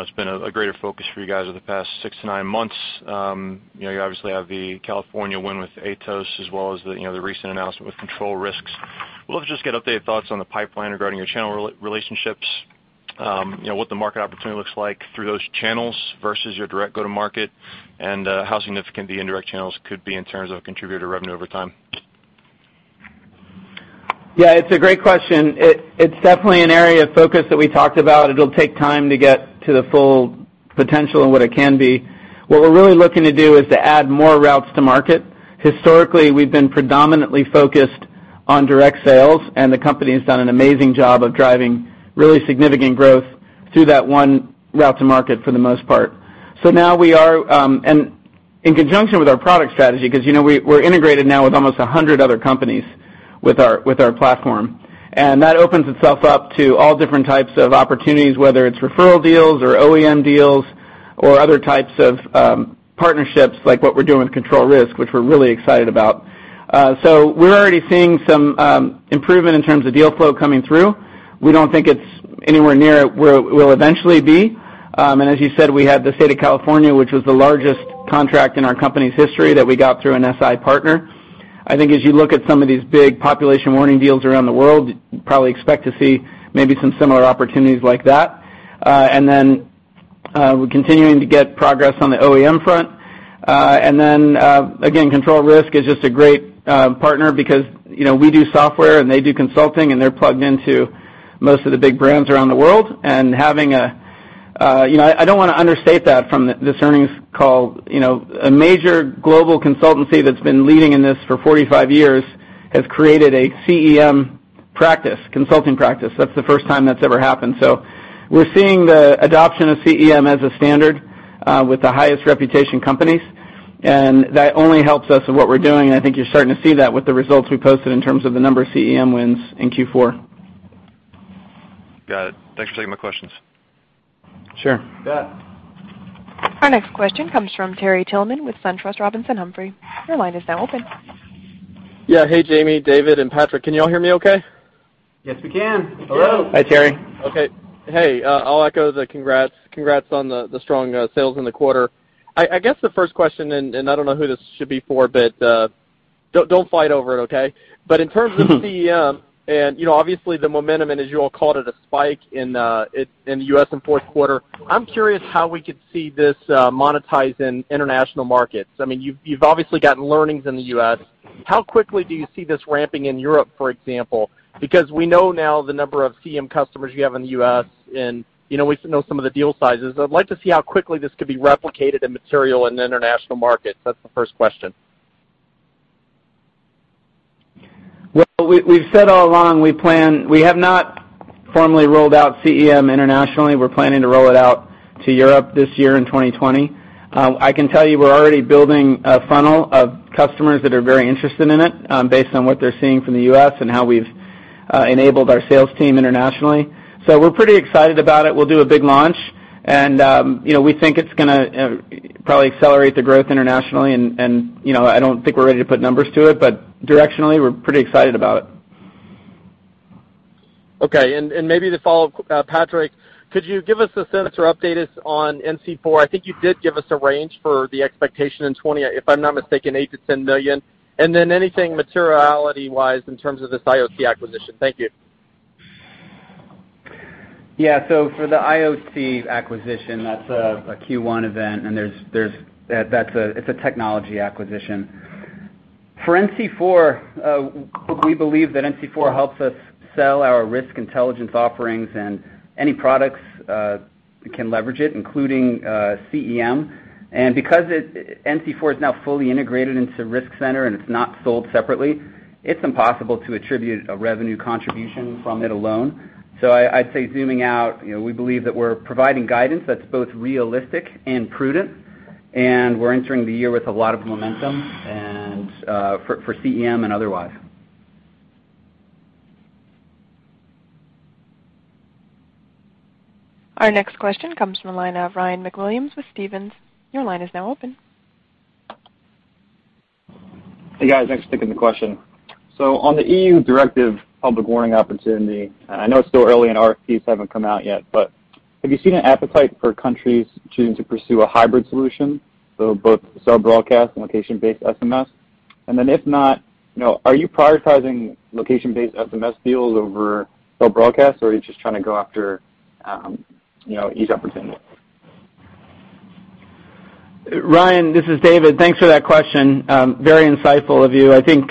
it's been a greater focus for you guys over the past six to nine months. You obviously have the California win with Atos as well as the recent announcement with Control Risks. Would love to just get updated thoughts on the pipeline regarding your channel relationships, what the market opportunity looks like through those channels versus your direct go-to market, and how significant the indirect channels could be in terms of contributor revenue over time. Yeah, it's a great question. It's definitely an area of focus that we talked about. It'll take time to get to the full potential and what it can be. What we're really looking to do is to add more routes to market. Historically, we've been predominantly focused on direct sales, and the company has done an amazing job of driving really significant growth through that one route to market for the most part. In conjunction with our product strategy, because we're integrated now with almost 100 other companies with our platform, and that opens itself up to all different types of opportunities, whether it's referral deals or OEM deals or other types of partnerships like what we're doing with Control Risk, which we're really excited about. We're already seeing some improvement in terms of deal flow coming through. We don't think it's anywhere near where it will eventually be. As you said, we had the state of California, which was the largest contract in our company's history, that we got through an SI partner. I think as you look at some of these big population warning deals around the world, you probably expect to see maybe some similar opportunities like that. We're continuing to get progress on the OEM front. Control Risks is just a great partner because we do software and they do consulting, and they're plugged into most of the big brands around the world. I don't want to understate that from this earnings call. A major global consultancy that's been leading in this for 45 years has created a CEM practice, consulting practice. That's the first time that's ever happened. We're seeing the adoption of CEM as a standard with the highest reputation companies, and that only helps us in what we're doing, and I think you're starting to see that with the results we posted in terms of the number of CEM wins in Q4. Got it. Thanks for taking my questions. Sure. Yeah. Our next question comes from Terry Tillman with SunTrust Robinson Humphrey. Your line is now open. Yeah. Hey, Jaime, David, and Patrick. Can you all hear me okay? Yes, we can. Hello. Hi, Terry. Okay. Hey, I'll echo the congrats. Congrats on the strong sales in the quarter. I guess the first question, and I don't know who this should be for, but don't fight over it, okay? In terms of CEM, and obviously the momentum and as you all called it, a spike in the U.S. in fourth quarter, I'm curious how we could see this monetized in international markets. You've obviously gotten learnings in the U.S. How quickly do you see this ramping in Europe, for example? We know now the number of CEM customers you have in the U.S., and we know some of the deal sizes. I'd like to see how quickly this could be replicated in material in the international market. That's the first question. Well, we've said all along we have not formally rolled out CEM internationally. We're planning to roll it out to Europe this year in 2020. I can tell you we're already building a funnel of customers that are very interested in it based on what they're seeing from the U.S. and how we've enabled our sales team internationally. We're pretty excited about it. We'll do a big launch and we think it's going to probably accelerate the growth internationally, and I don't think we're ready to put numbers to it, but directionally, we're pretty excited about it. Okay. Maybe the follow-up, Patrick, could you give us a sense or update us on NC4? I think you did give us a range for the expectation in 2020, if I'm not mistaken, $8 million-$10 million. Then anything materiality-wise in terms of this IoT acquisition. Thank you. Yeah. For the IoT acquisition, that's a Q1 event, and it's a technology acquisition. For NC4, we believe that NC4 helps us sell our risk intelligence offerings and any products that can leverage it, including CEM. Because NC4 is now fully integrated into Risk Center and it's not sold separately, it's impossible to attribute a revenue contribution from it alone. I'd say zooming out, we believe that we're providing guidance that's both realistic and prudent, and we're entering the year with a lot of momentum for CEM and otherwise. Our next question comes from the line of Ryan MacWilliams with Stephens. Your line is now open. Hey, guys. Thanks for taking the question. On the EU directive Public Warning opportunity, I know it's still early and RFPs haven't come out yet, but have you seen an appetite for countries choosing to pursue a hybrid solution, so both cell broadcast and location-based SMS? If not, are you prioritizing location-based SMS deals over cell broadcast, or are you just trying to go after each opportunity? Ryan, this is David. Thanks for that question. Very insightful of you. I think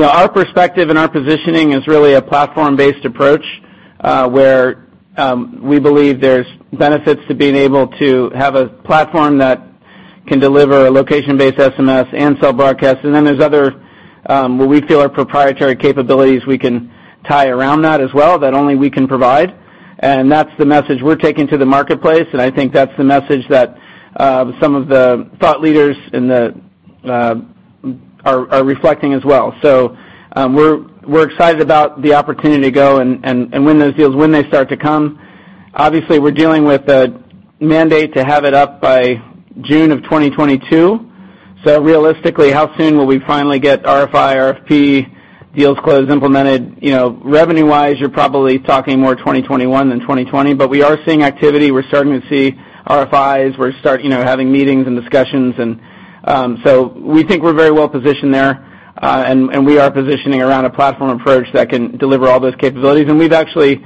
our perspective and our positioning is really a platform-based approach, where we believe there's benefits to being able to have a platform that can deliver a location-based SMS and cell broadcast. Then there's other, what we feel are proprietary capabilities we can tie around that as well that only we can provide. That's the message we're taking to the marketplace, and I think that's the message that some of the thought leaders are reflecting as well. We're excited about the opportunity to go and win those deals when they start to come. Obviously, we're dealing with a mandate to have it up by June of 2022. Realistically, how soon will we finally get RFI, RFP deals closed, implemented? Revenue-wise, you're probably talking more 2021 than 2020. We are seeing activity. We're starting to see RFIs. We're having meetings and discussions. We think we're very well positioned there, and we are positioning around a platform approach that can deliver all those capabilities. We've actually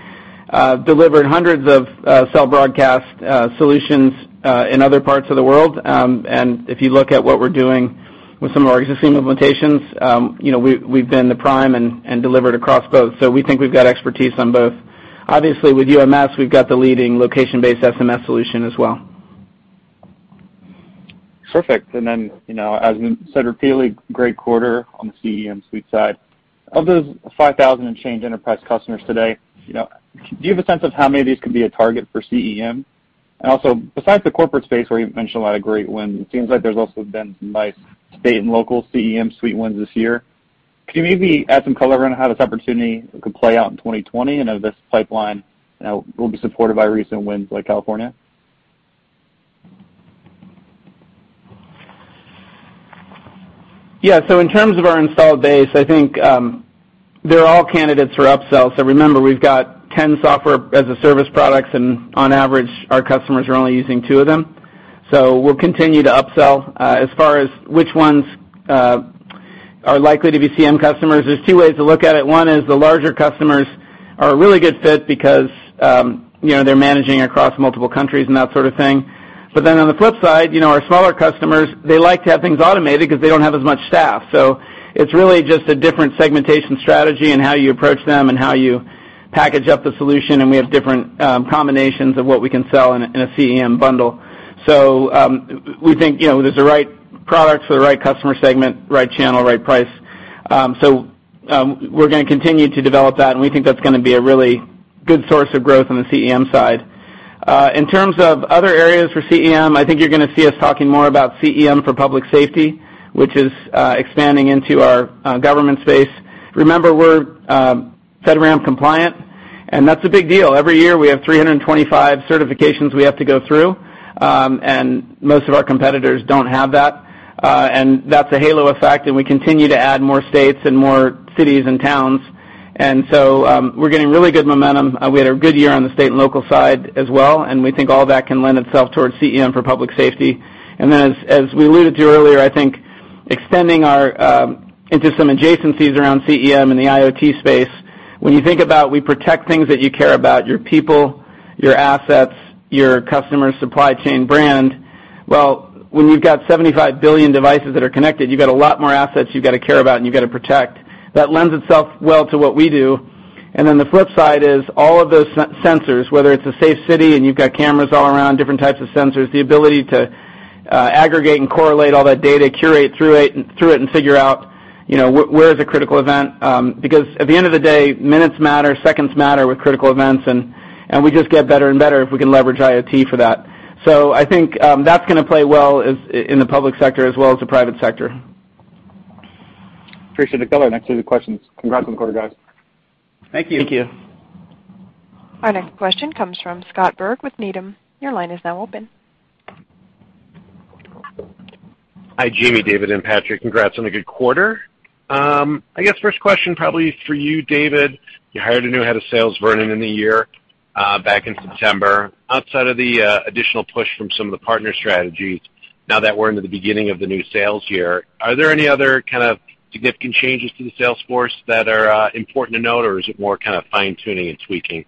delivered hundreds of cell broadcast solutions in other parts of the world. If you look at what we're doing with some of our existing implementations, we've been the prime and delivered across both. We think we've got expertise on both. Obviously, with UMS, we've got the leading location-based SMS solution as well. Perfect. As you said repeatedly, great quarter on the CEM suite side. Of those 5,000 and change enterprise customers today, do you have a sense of how many of these could be a target for CEM? Also, besides the corporate space where you've mentioned a lot of great wins, it seems like there's also been some nice state and local CEM suite wins this year. Could you maybe add some color around how this opportunity could play out in 2020 and if this pipeline will be supported by recent wins like California? Yeah. In terms of our installed base, I think they're all candidates for upsell. Remember, we've got 10 software as a service products, and on average, our customers are only using two of them. We'll continue to upsell. As far as which ones are likely to be CEM customers, there's two ways to look at it. One is the larger customers are a really good fit because they're managing across multiple countries and that sort of thing. On the flip side, our smaller customers, they like to have things automated because they don't have as much staff. It's really just a different segmentation strategy and how you approach them and how you package up the solution, and we have different combinations of what we can sell in a CEM bundle. We think there's the right products for the right customer segment, right channel, right price. We're going to continue to develop that, and we think that's going to be a really good source of growth on the CEM side. In terms of other areas for CEM, I think you're going to see us talking more about CEM for Public Safety, which is expanding into our government space. Remember, we're FedRAMP compliant, and that's a big deal. Every year, we have 325 certifications we have to go through, and most of our competitors don't have that. That's a halo effect, and we continue to add more states and more cities and towns. We're getting really good momentum. We had a good year on the state and local side as well, and we think all that can lend itself towards CEM for Public Safety. As we alluded to earlier, I think extending into some adjacencies around CEM in the IoT space. When you think about we protect things that you care about, your people, your assets, your customer supply chain brand. When you've got 75 billion devices that are connected, you've got a lot more assets you've got to care about and you've got to protect. That lends itself well to what we do. The flip side is all of those sensors, whether it's a safe city and you've got cameras all around, different types of sensors, the ability to aggregate and correlate all that data, curate through it, and figure out where is a critical event. At the end of the day, minutes matter, seconds matter with critical events, and we just get better and better if we can leverage IoT for that. I think that's going to play well in the public sector as well as the private sector. Appreciate the color and actually the questions. Congrats on the quarter, guys. Thank you. Thank you. Our next question comes from Scott Berg with Needham. Your line is now open. Hi, Jaime, David, and Patrick. Congrats on a good quarter. I guess first question probably for you, David. You hired a new Head of Sales, Vernon, in the year back in September. Outside of the additional push from some of the partner strategies, now that we're into the beginning of the new sales year, are there any other kind of significant changes to the sales force that are important to note? Is it more kind of fine-tuning and tweaking?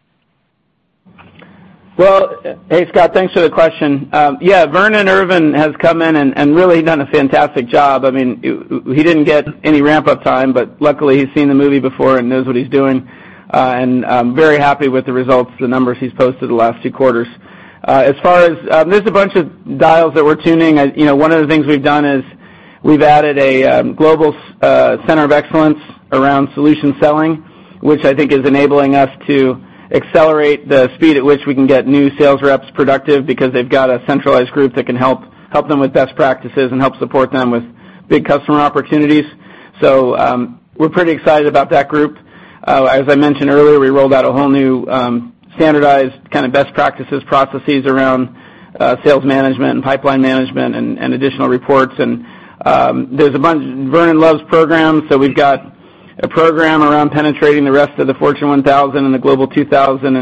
Well, hey, Scott, thanks for the question. Vernon Irvin has come in and really done a fantastic job. He didn't get any ramp-up time, but luckily, he's seen the movie before and knows what he's doing. I'm very happy with the results, the numbers he's posted the last two quarters. There's a bunch of dials that we're tuning. One of the things we've done is we've added a global center of excellence around solution selling, which I think is enabling us to accelerate the speed at which we can get new sales reps productive because they've got a centralized group that can help them with best practices and help support them with big customer opportunities. We're pretty excited about that group. As I mentioned earlier, we rolled out a whole new standardized kind of best practices, processes around sales management and pipeline management and additional reports. Vernon loves programs, we've got a program around penetrating the rest of the Fortune 1000 and the Global 2000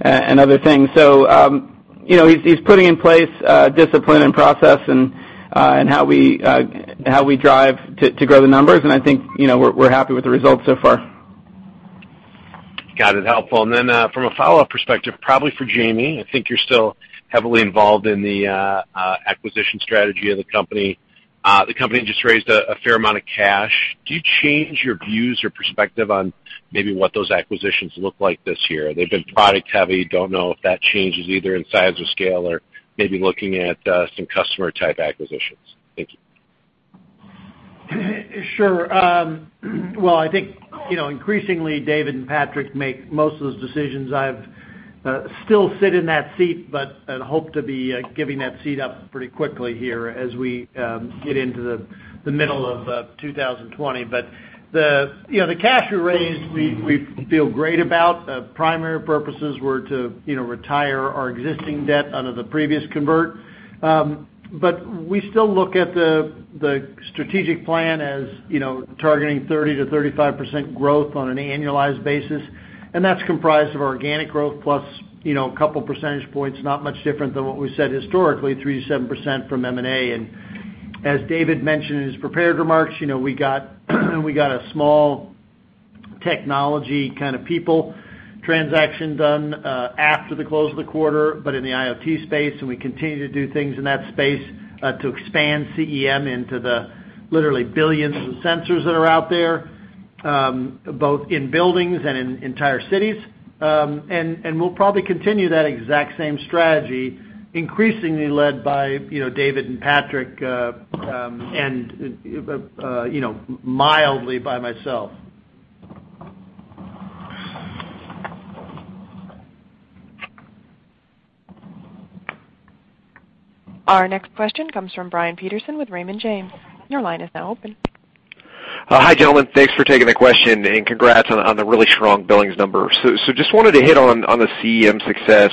and other things. He's putting in place discipline and process in how we drive to grow the numbers, and I think we're happy with the results so far. Got it. Helpful. From a follow-up perspective, probably for Jaime, I think you're still heavily involved in the acquisition strategy of the company. The company just raised a fair amount of cash. Do you change your views or perspective on maybe what those acquisitions look like this year? They've been product-heavy. Don't know if that changes either in size or scale or maybe looking at some customer-type acquisitions. Thank you. Sure. Well, I think increasingly, David and Patrick make most of those decisions. I still sit in that seat, but I hope to be giving that seat up pretty quickly here as we get into the middle of 2020. The cash we raised, we feel great about. Primary purposes were to retire our existing debt out of the previous convert. We still look at the strategic plan as targeting 30%-35% growth on an annualized basis, and that's comprised of organic growth plus a couple percentage points, not much different than what we said historically, 3%-7% from M&A. As David mentioned in his prepared remarks, we got a small technology kind of people transaction done after the close of the quarter, but in the IoT space, and we continue to do things in that space to expand CEM into the literally billions of sensors that are out there, both in buildings and in entire cities. We'll probably continue that exact same strategy, increasingly led by David and Patrick, and mildly by myself. Our next question comes from Brian Peterson with Raymond James. Your line is now open. Hi, gentlemen. Thanks for taking the question, and congrats on the really strong billings number. Just wanted to hit on the CEM success.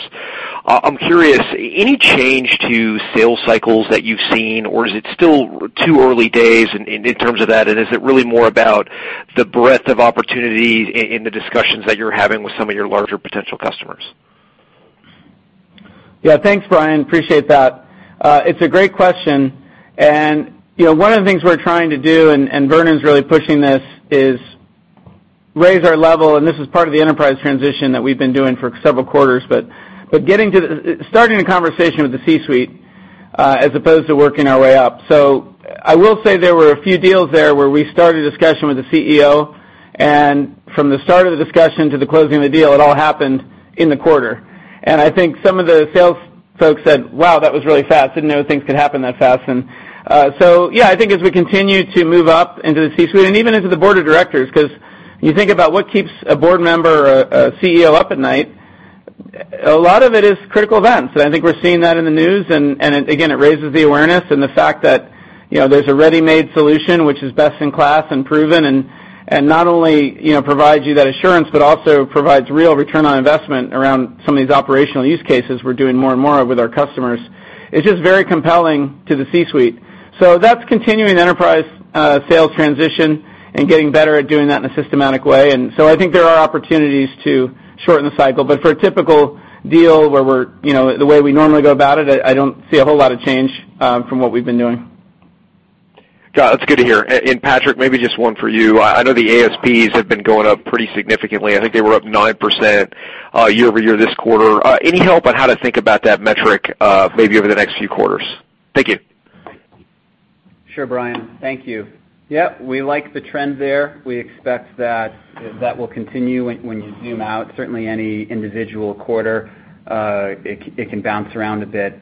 I'm curious, any change to sales cycles that you've seen, or is it still too early days in terms of that, and is it really more about the breadth of opportunity in the discussions that you're having with some of your larger potential customers? Yeah. Thanks, Brian. Appreciate that. It's a great question, and one of the things we're trying to do, and Vernon's really pushing this, is raise our level, and this is part of the enterprise transition that we've been doing for several quarters, starting a conversation with the C-suite, as opposed to working our way up. I will say there were a few deals there where we started a discussion with the CEO, and from the start of the discussion to the closing of the deal, it all happened in the quarter. I think some of the sales folks said, "Wow, that was really fast. Didn't know things could happen that fast. Yeah, I think as we continue to move up into the C-suite and even into the board of directors, because you think about what keeps a board member or a CEO up at night, a lot of it is critical events. I think we're seeing that in the news, and again, it raises the awareness and the fact that there's a ready-made solution which is best in class and proven, and not only provides you that assurance, but also provides real return on investment around some of these operational use cases we're doing more and more of with our customers. It's just very compelling to the C-suite. That's continuing enterprise sales transition and getting better at doing that in a systematic way. I think there are opportunities to shorten the cycle. For a typical deal the way we normally go about it, I don't see a whole lot of change from what we've been doing. Got it. That's good to hear. Patrick, maybe just one for you. I know the ASPs have been going up pretty significantly. I think they were up 9% year-over-year this quarter. Any help on how to think about that metric maybe over the next few quarters? Thank you. Sure, Brian. Thank you. Yep, we like the trend there. We expect that that will continue when you zoom out. Certainly, any individual quarter, it can bounce around a bit.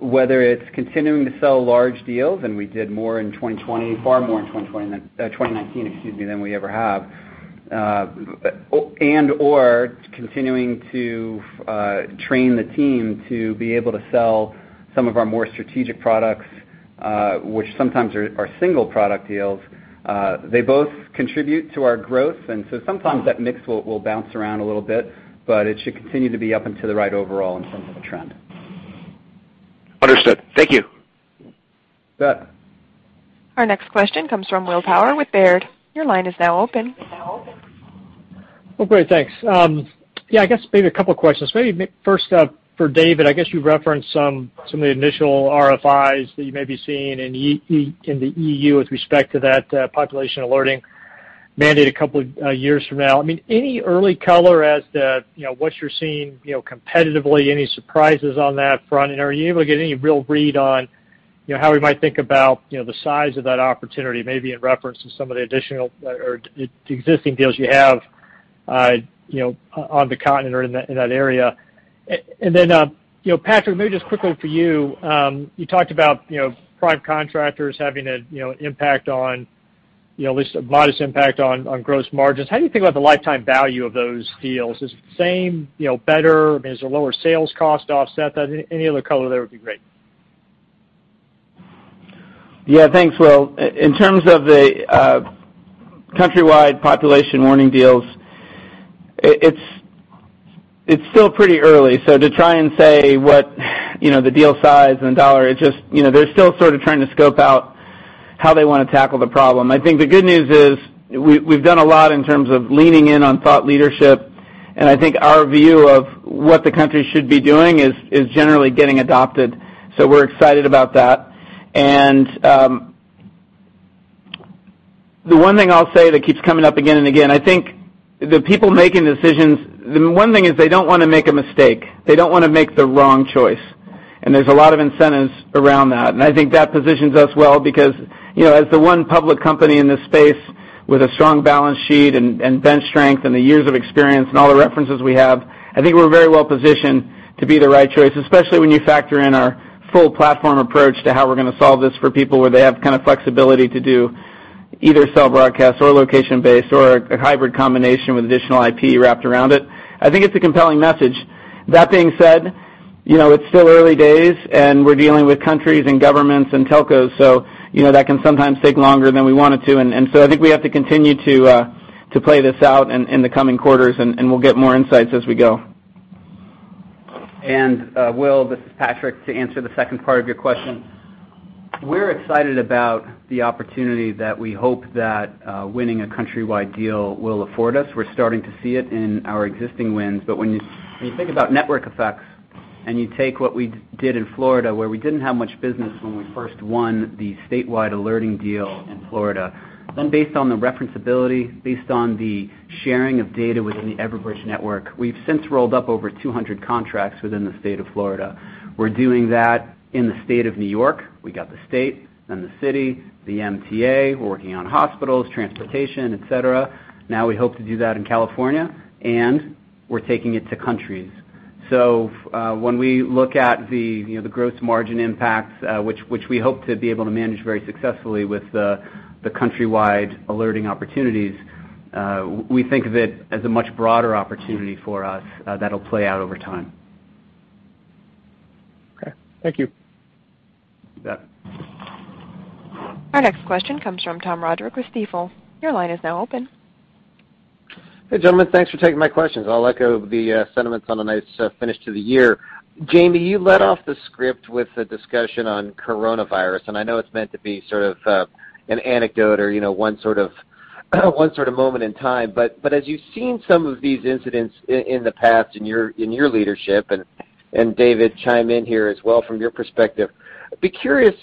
Whether it's continuing to sell large deals, and we did more in 2020, far more in 2019, excuse me, than we ever have, and/or continuing to train the team to be able to sell some of our more strategic products, which sometimes are single product deals, they both contribute to our growth. Sometimes that mix will bounce around a little bit, but it should continue to be up and to the right overall in terms of a trend. Understood. Thank you. You bet. Our next question comes from Will Power with Baird. Your line is now open. Great, thanks. I guess maybe a couple questions. Maybe first up for David, I guess you referenced some of the initial RFIs that you may be seeing in the EU with respect to that population alerting mandate a couple years from now. Any early color as to what you're seeing competitively, any surprises on that front? Are you able to get any real read on how we might think about the size of that opportunity, maybe in reference to some of the additional or existing deals you have on the continent or in that area? Then, Patrick, maybe just quickly for you talked about prime contractors having an impact on, at least a modest impact on gross margins. How do you think about the lifetime value of those deals? Is it the same, better? Does the lower sales cost offset that? Any other color there would be great. Yeah, thanks, Will. In terms of the countrywide population warning deals, it's still pretty early. To try and say what the deal size and dollar is, they're still sort of trying to scope out how they want to tackle the problem. I think the good news is we've done a lot in terms of leaning in on thought leadership, and I think our view of what the country should be doing is generally getting adopted. We're excited about that. The one thing I'll say that keeps coming up again and again, I think the people making decisions, the one thing is they don't want to make a mistake. They don't want to make the wrong choice. There's a lot of incentives around that. I think that positions us well because, as the one public company in this space with a strong balance sheet and bench strength and the years of experience and all the references we have, I think we're very well-positioned to be the right choice, especially when you factor in our full platform approach to how we're going to solve this for people where they have kind of flexibility to do either cell broadcast or location-based or a hybrid combination with additional IP wrapped around it. I think it's a compelling message. That being said, it's still early days, and we're dealing with countries and governments and telcos, so that can sometimes take longer than we want it to. I think we have to continue to play this out in the coming quarters, and we'll get more insights as we go. Will, this is Patrick, to answer the second part of your question. We're excited about the opportunity that we hope that winning a countrywide deal will afford us. We're starting to see it in our existing wins. When you think about network effects and you take what we did in Florida, where we didn't have much business when we first won the statewide alerting deal in Florida. Based on the reference ability, based on the sharing of data within the Everbridge network, we've since rolled up over 200 contracts within the state of Florida. We're doing that in the state of New York. We got the state, then the city, the MTA. We're working on hospitals, transportation, et cetera. We hope to do that in California, and we're taking it to countries. When we look at the gross margin impacts, which we hope to be able to manage very successfully with the countrywide alerting opportunities, we think of it as a much broader opportunity for us that'll play out over time. Okay. Thank you. You bet. Our next question comes from Tom Roderick with Stifel. Your line is now open. Hey, gentlemen. Thanks for taking my questions. I'll echo the sentiments on a nice finish to the year. Jaime, you led off the script with a discussion on coronavirus, and I know it's meant to be sort of an anecdote or one sort of moment in time. As you've seen some of these incidents in the past in your leadership, and David, chime in here as well from your perspective. I'd be curious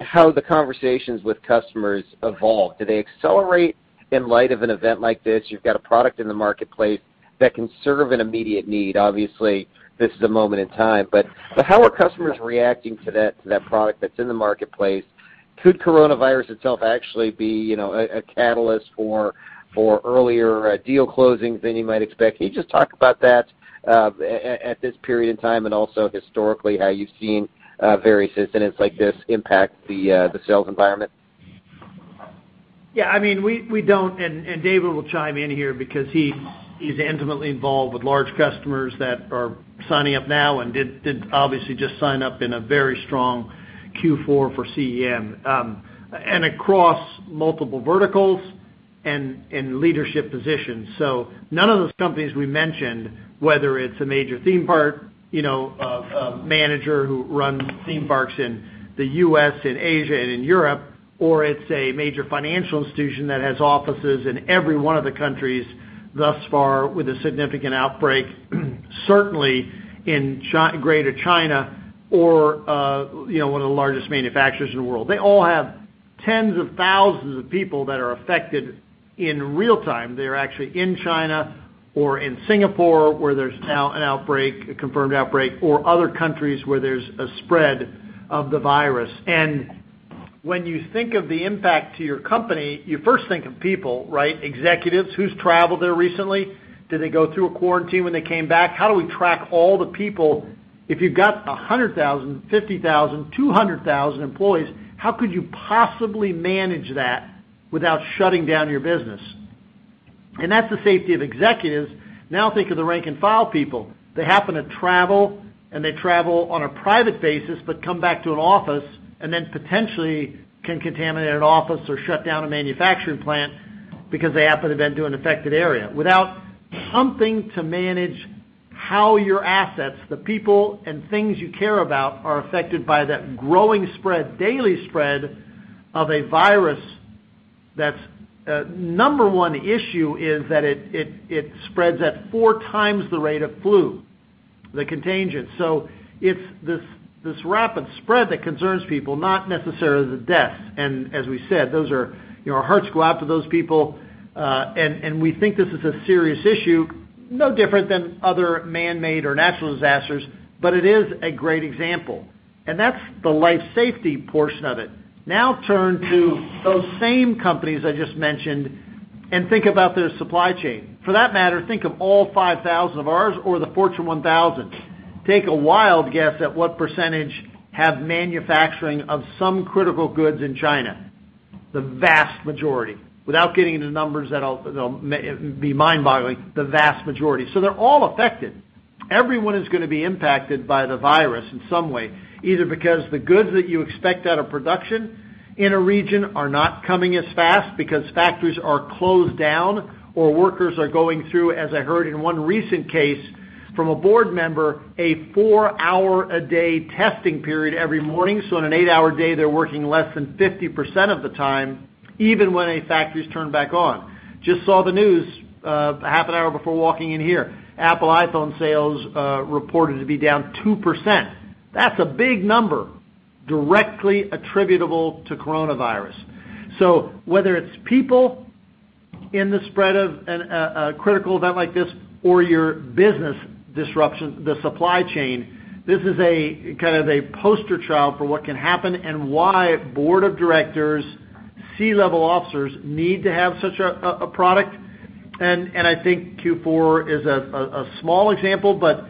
how the conversations with customers evolve. Do they accelerate in light of an event like this? You've got a product in the marketplace that can serve an immediate need. Obviously, this is a moment in time, but how are customers reacting to that product that's in the marketplace? Could coronavirus itself actually be a catalyst for earlier deal closing than you might expect? Can you just talk about that at this period in time and also historically, how you've seen various incidents like this impact the sales environment? Yeah, David will chime in here because he's intimately involved with large customers that are signing up now and did obviously just sign up in a very strong Q4 for CEM, and across multiple verticals and in leadership positions. None of those companies we mentioned, whether it's a major theme park, a manager who runs theme parks in the U.S. and Asia and in Europe, or it's a major financial institution that has offices in every one of the countries thus far with a significant outbreak, certainly in greater China or one of the largest manufacturers in the world. They all have tens of thousands of people that are affected in real-time. They are actually in China or in Singapore, where there's now an outbreak, a confirmed outbreak, or other countries where there's a spread of the virus. When you think of the impact to your company, you first think of people, right? Executives, who's traveled there recently? Did they go through a quarantine when they came back? How do we track all the people? If you've got 100,000, 50,000, 200,000 employees, how could you possibly manage that without shutting down your business? That's the safety of executives. Now think of the rank-and-file people. They happen to travel, and they travel on a private basis but come back to an office and then potentially can contaminate an office or shut down a manufacturing plant because they happen to have been to an affected area. Without something to manage how your assets, the people and things you care about, are affected by that growing spread, daily spread of a virus that's number one issue is that it spreads at four times the rate of flu, the contagion. It's this rapid spread that concerns people, not necessarily the deaths. As we said, our hearts go out to those people, and we think this is a serious issue, no different than other man-made or natural disasters, but it is a great example. That's the life safety portion of it. Now turn to those same companies I just mentioned and think about their supply chain. For that matter, think of all 5,000 of ours or the Fortune 1000. Take a wild guess at what percentage have manufacturing of some critical goods in China. The vast majority. Without getting into numbers that'll be mind-boggling, the vast majority. They're all affected. Everyone is going to be impacted by the virus in some way, either because the goods that you expect out of production in a region are not coming as fast because factories are closed down or workers are going through, as I heard in one recent case from a board member, a four-hour-a-day testing period every morning. On an eight-hour day, they're working less than 50% of the time, even when a factory's turned back on. Just saw the news half an hour before walking in here. Apple iPhone sales reported to be down 2%. That's a big number directly attributable to coronavirus. Whether it's people in the spread of a critical event like this or your business disruption, the supply chain, this is a kind of a poster child for what can happen and why board of directors, C-level officers need to have such a product. I think Q4 is a small example, but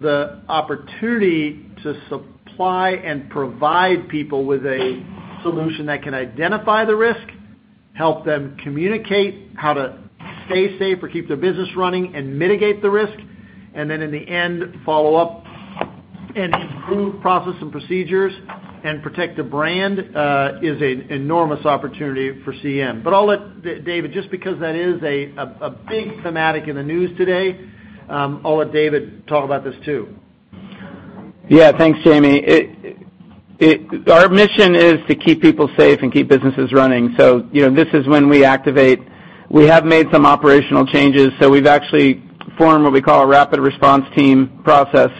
the opportunity to supply and provide people with a solution that can identify the risk, help them communicate how to stay safe or keep their business running and mitigate the risk, and then in the end, follow up and improve process and procedures and protect the brand, is an enormous opportunity for CEM. I'll let David, just because that is a big thematic in the news today, I'll let David talk about this too. Yeah. Thanks, Jaime. Our mission is to keep people safe and keep businesses running. This is when we activate. We have made some operational changes, we've actually formed what we call a rapid response team process.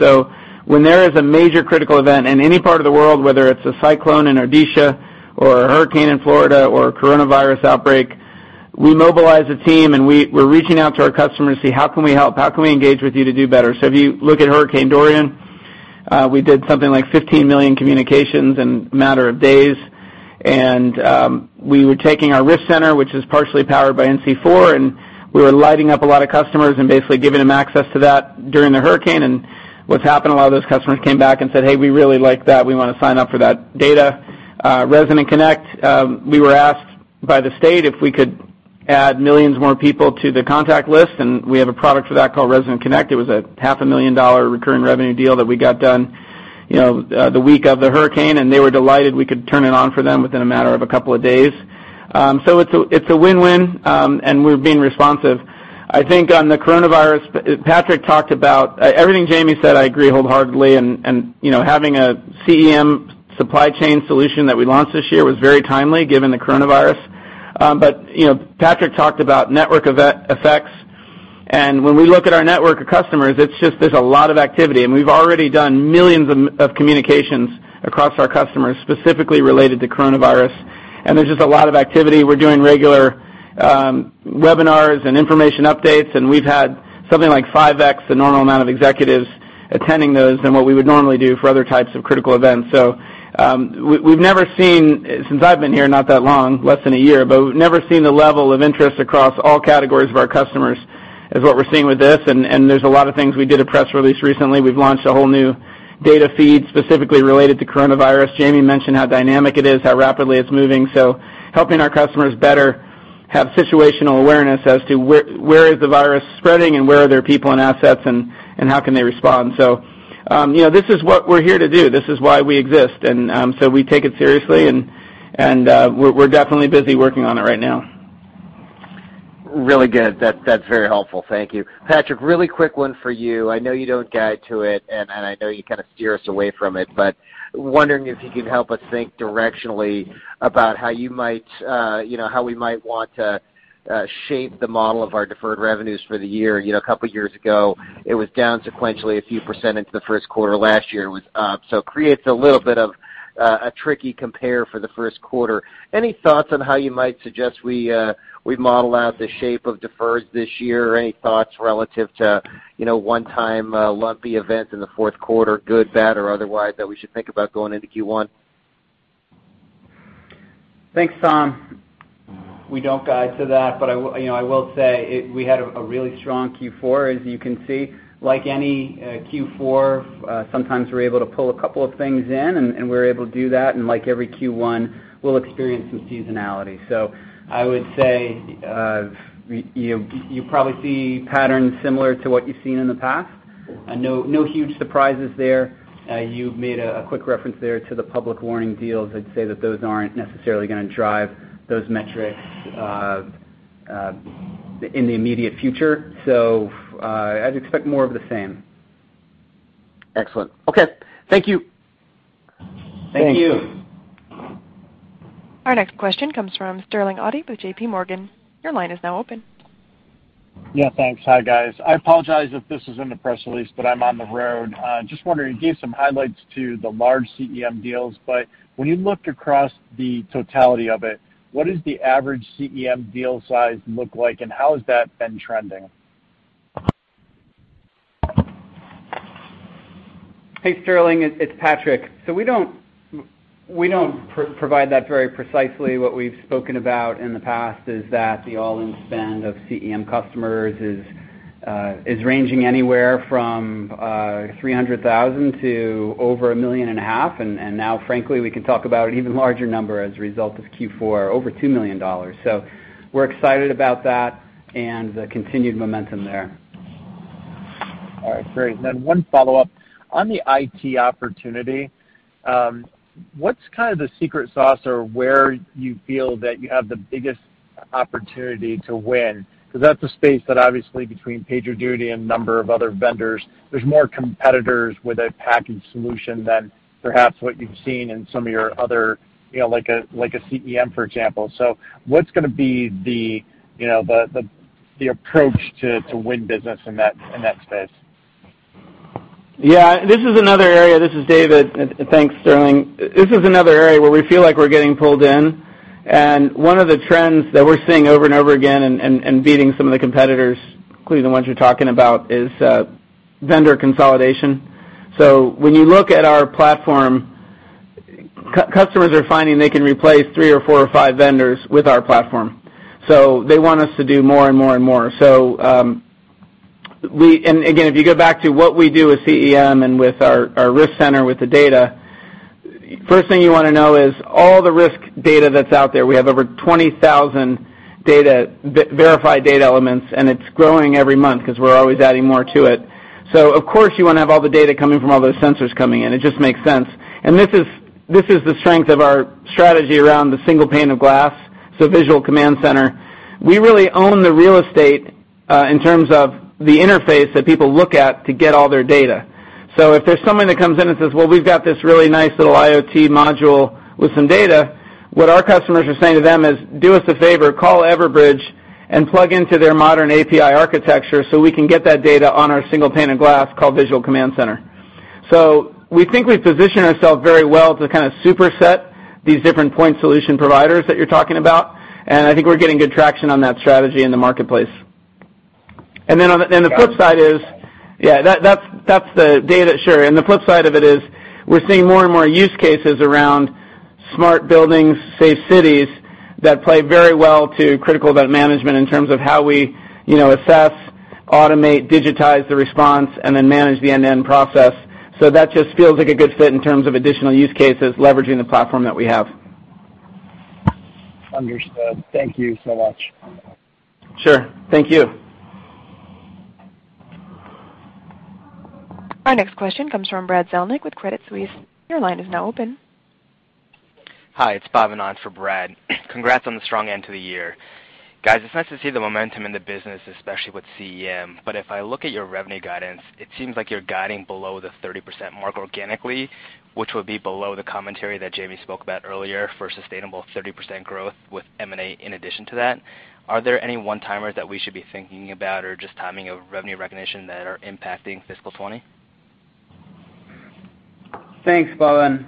When there is a major critical event in any part of the world, whether it's a cyclone in Odisha or a hurricane in Florida or a coronavirus outbreak, we mobilize a team, and we're reaching out to our customers to see how can we help? How can we engage with you to do better? If you look at Hurricane Dorian, we did something like 15 million communications in a matter of days. We were taking our Risk Center, which is partially powered by NC4, and we were lighting up a lot of customers and basically giving them access to that during the hurricane. What's happened, a lot of those customers came back and said, "Hey, we really like that. We want to sign up for that data." Resident Connect, we were asked by the state if we could add millions more people to the contact list, and we have a product for that called Resident Connect. It was a $500,000 recurring revenue deal that we got done the week of the hurricane, and they were delighted we could turn it on for them within a matter of a couple of days. It's a win-win, and we're being responsive. I think on the coronavirus, everything Jaime said, I agree wholeheartedly, and having a CEM Supply Chain solution that we launched this year was very timely given the coronavirus. Patrick talked about network effects. When we look at our network of customers, it's just there's a lot of activity. We've already done millions of communications across our customers, specifically related to coronavirus. There's just a lot of activity. We're doing regular webinars and information updates. We've had something like 5x the normal amount of executives attending those than what we would normally do for other types of critical events. We've never seen, since I've been here, not that long, less than a year, we've never seen the level of interest across all categories of our customers as what we're seeing with this. There's a lot of things. We did a press release recently. We've launched a whole new data feed specifically related to coronavirus. Jaime mentioned how dynamic it is, how rapidly it's moving. Helping our customers better have situational awareness as to where is the virus spreading and where are their people and assets, and how can they respond. This is what we're here to do. This is why we exist. We take it seriously, and we're definitely busy working on it right now. Really good. That's very helpful. Thank you. Patrick, really quick one for you. I know you don't guide to it, and I know you kind of steer us away from it, wondering if you could help us think directionally about how we might want to shape the model of our deferred revenues for the year. A couple of years ago, it was down sequentially a few percent into the first quarter. Last year, it was up. Creates a little bit of a tricky compare for the first quarter. Any thoughts on how you might suggest we model out the shape of deferreds this year, or any thoughts relative to one-time lumpy events in the fourth quarter, good, bad, or otherwise, that we should think about going into Q1? Thanks, Tom. We don't guide to that, but I will say we had a really strong Q4, as you can see. Like any Q4, sometimes we're able to pull a couple of things in, and we're able to do that. Like every Q1, we'll experience some seasonality. You probably see patterns similar to what you've seen in the past. No huge surprises there. You made a quick reference there to the Public Warning deals. I'd say that those aren't necessarily going to drive those metrics in the immediate future. I'd expect more of the same. Excellent. Okay. Thank you. Thank you. Our next question comes from Sterling Auty with JPMorgan. Your line is now open. Yeah, thanks. Hi, guys. I apologize if this is in the press release, but I'm on the road. Just wondering, you gave some highlights to the large CEM deals, but when you looked across the totality of it, what is the average CEM deal size look like, and how has that been trending? Hey, Sterling. It's Patrick. We don't provide that very precisely. What we've spoken about in the past is that the all-in spend of CEM customers is ranging anywhere from $300,000 to over $1.5 million. Now, frankly, we can talk about an even larger number as a result of Q4, over $2 million. We're excited about that and the continued momentum there. All right, great. One follow-up. On the IT opportunity, what's kind of the secret sauce, or where you feel that you have the biggest opportunity to win? Because that's a space that obviously between PagerDuty and a number of other vendors, there's more competitors with a packaged solution than perhaps what you've seen in some of your other, like a CEM, for example. What's going to be the approach to win business in that space? Yeah, this is another area. This is David. Thanks, Sterling. This is another area where we feel like we're getting pulled in. One of the trends that we're seeing over and over again and beating some of the competitors, including the ones you're talking about, is vendor consolidation. When you look at our platform, customers are finding they can replace three or four or five vendors with our platform. They want us to do more and more and more. Again, if you go back to what we do with CEM and with our Risk Center, with the data, first thing you want to know is all the risk data that's out there, we have over 20,000 verified data elements, and it's growing every month because we're always adding more to it. Of course, you want to have all the data coming from all those sensors coming in. It just makes sense. This is the strength of our strategy around the single pane of glass, so Visual Command Center. We really own the real estate, in terms of the interface that people look at to get all their data. If there's someone that comes in and says, "Well, we've got this really nice little IoT module with some data," what our customers are saying to them is, "Do us a favor. Call Everbridge and plug into their modern API architecture so we can get that data on our single pane of glass called Visual Command Center. We think we position ourselves very well to kind of superset these different point solution providers that you're talking about. I think we're getting good traction on that strategy in the marketplace. The flip side is, Yeah, that's the data. Sure. The flip side of it is we're seeing more and more use cases around smart buildings, safe cities that play very well to Critical Event Management in terms of how we assess, automate, digitize the response, and then manage the end-to-end process. That just feels like a good fit in terms of additional use cases, leveraging the platform that we have. Understood. Thank you so much. Sure. Thank you. Our next question comes from Brad Zelnick with Credit Suisse. Your line is now open. Hi, it's Bhavin for Brad. Congrats on the strong end to the year. Guys, it's nice to see the momentum in the business, especially with CEM. If I look at your revenue guidance, it seems like you're guiding below the 30% mark organically, which would be below the commentary that Jaime spoke about earlier for sustainable 30% growth with M&A in addition to that. Are there any one-timers that we should be thinking about or just timing of revenue recognition that are impacting fiscal 2020? Thanks, Bhavin.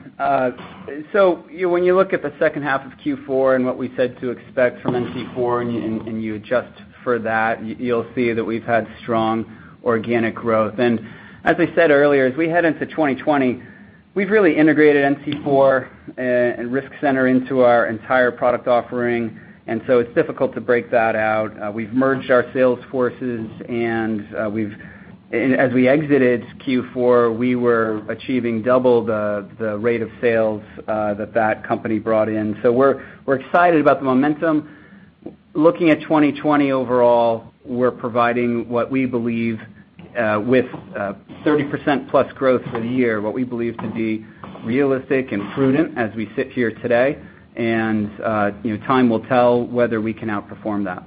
When you look at the second half of Q4 and what we said to expect from NC4 and you adjust for that, you'll see that we've had strong organic growth. As I said earlier, as we head into 2020, we've really integrated NC4 and Risk Center into our entire product offering, and so it's difficult to break that out. We've merged our sales forces, and as we exited Q4, we were achieving double the rate of sales that company brought in. We're excited about the momentum. Looking at 2020 overall, we're providing what we believe with 30%+ growth for the year, what we believe to be realistic and prudent as we sit here today. Time will tell whether we can outperform that.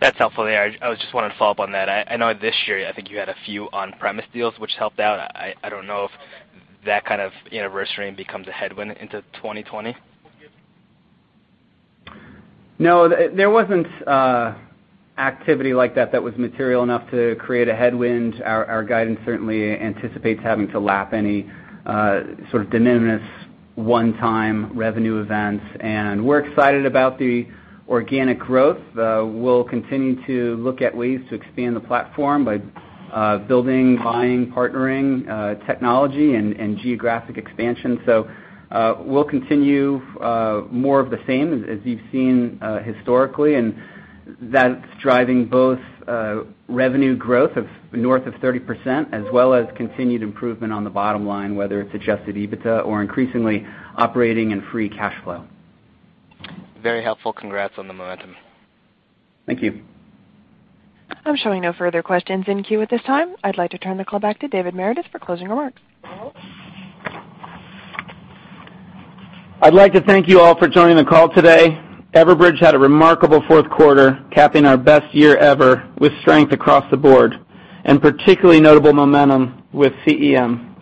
That's helpful there. I just wanted to follow up on that. I know this year, I think you had a few on-premise deals which helped out. I don't know if that kind of reverse trend becomes a headwind into 2020. No, there wasn't activity like that was material enough to create a headwind. Our guidance certainly anticipates having to lap any sort of de minimis one-time revenue events, and we're excited about the organic growth. We'll continue to look at ways to expand the platform by building, buying, partnering technology and geographic expansion. We'll continue more of the same as you've seen historically, and that's driving both revenue growth of north of 30%, as well as continued improvement on the bottom line, whether it's adjusted EBITDA or increasingly operating and free cash flow. Very helpful. Congrats on the momentum. Thank you. I'm showing no further questions in queue at this time. I'd like to turn the call back to David Meredith for closing remarks. I'd like to thank you all for joining the call today. Everbridge had a remarkable fourth quarter, capping our best year ever with strength across the board, and particularly notable momentum with CEM.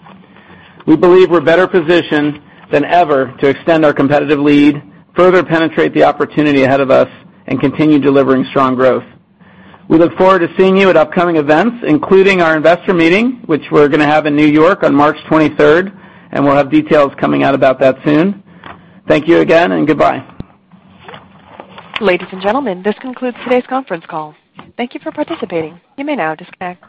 We believe we're better positioned than ever to extend our competitive lead, further penetrate the opportunity ahead of us, and continue delivering strong growth. We look forward to seeing you at upcoming events, including our investor meeting, which we're going to have in New York on March 23rd, and we'll have details coming out about that soon. Thank you again, and goodbye. Ladies and gentlemen, this concludes today's conference call. Thank you for participating. You may now disconnect.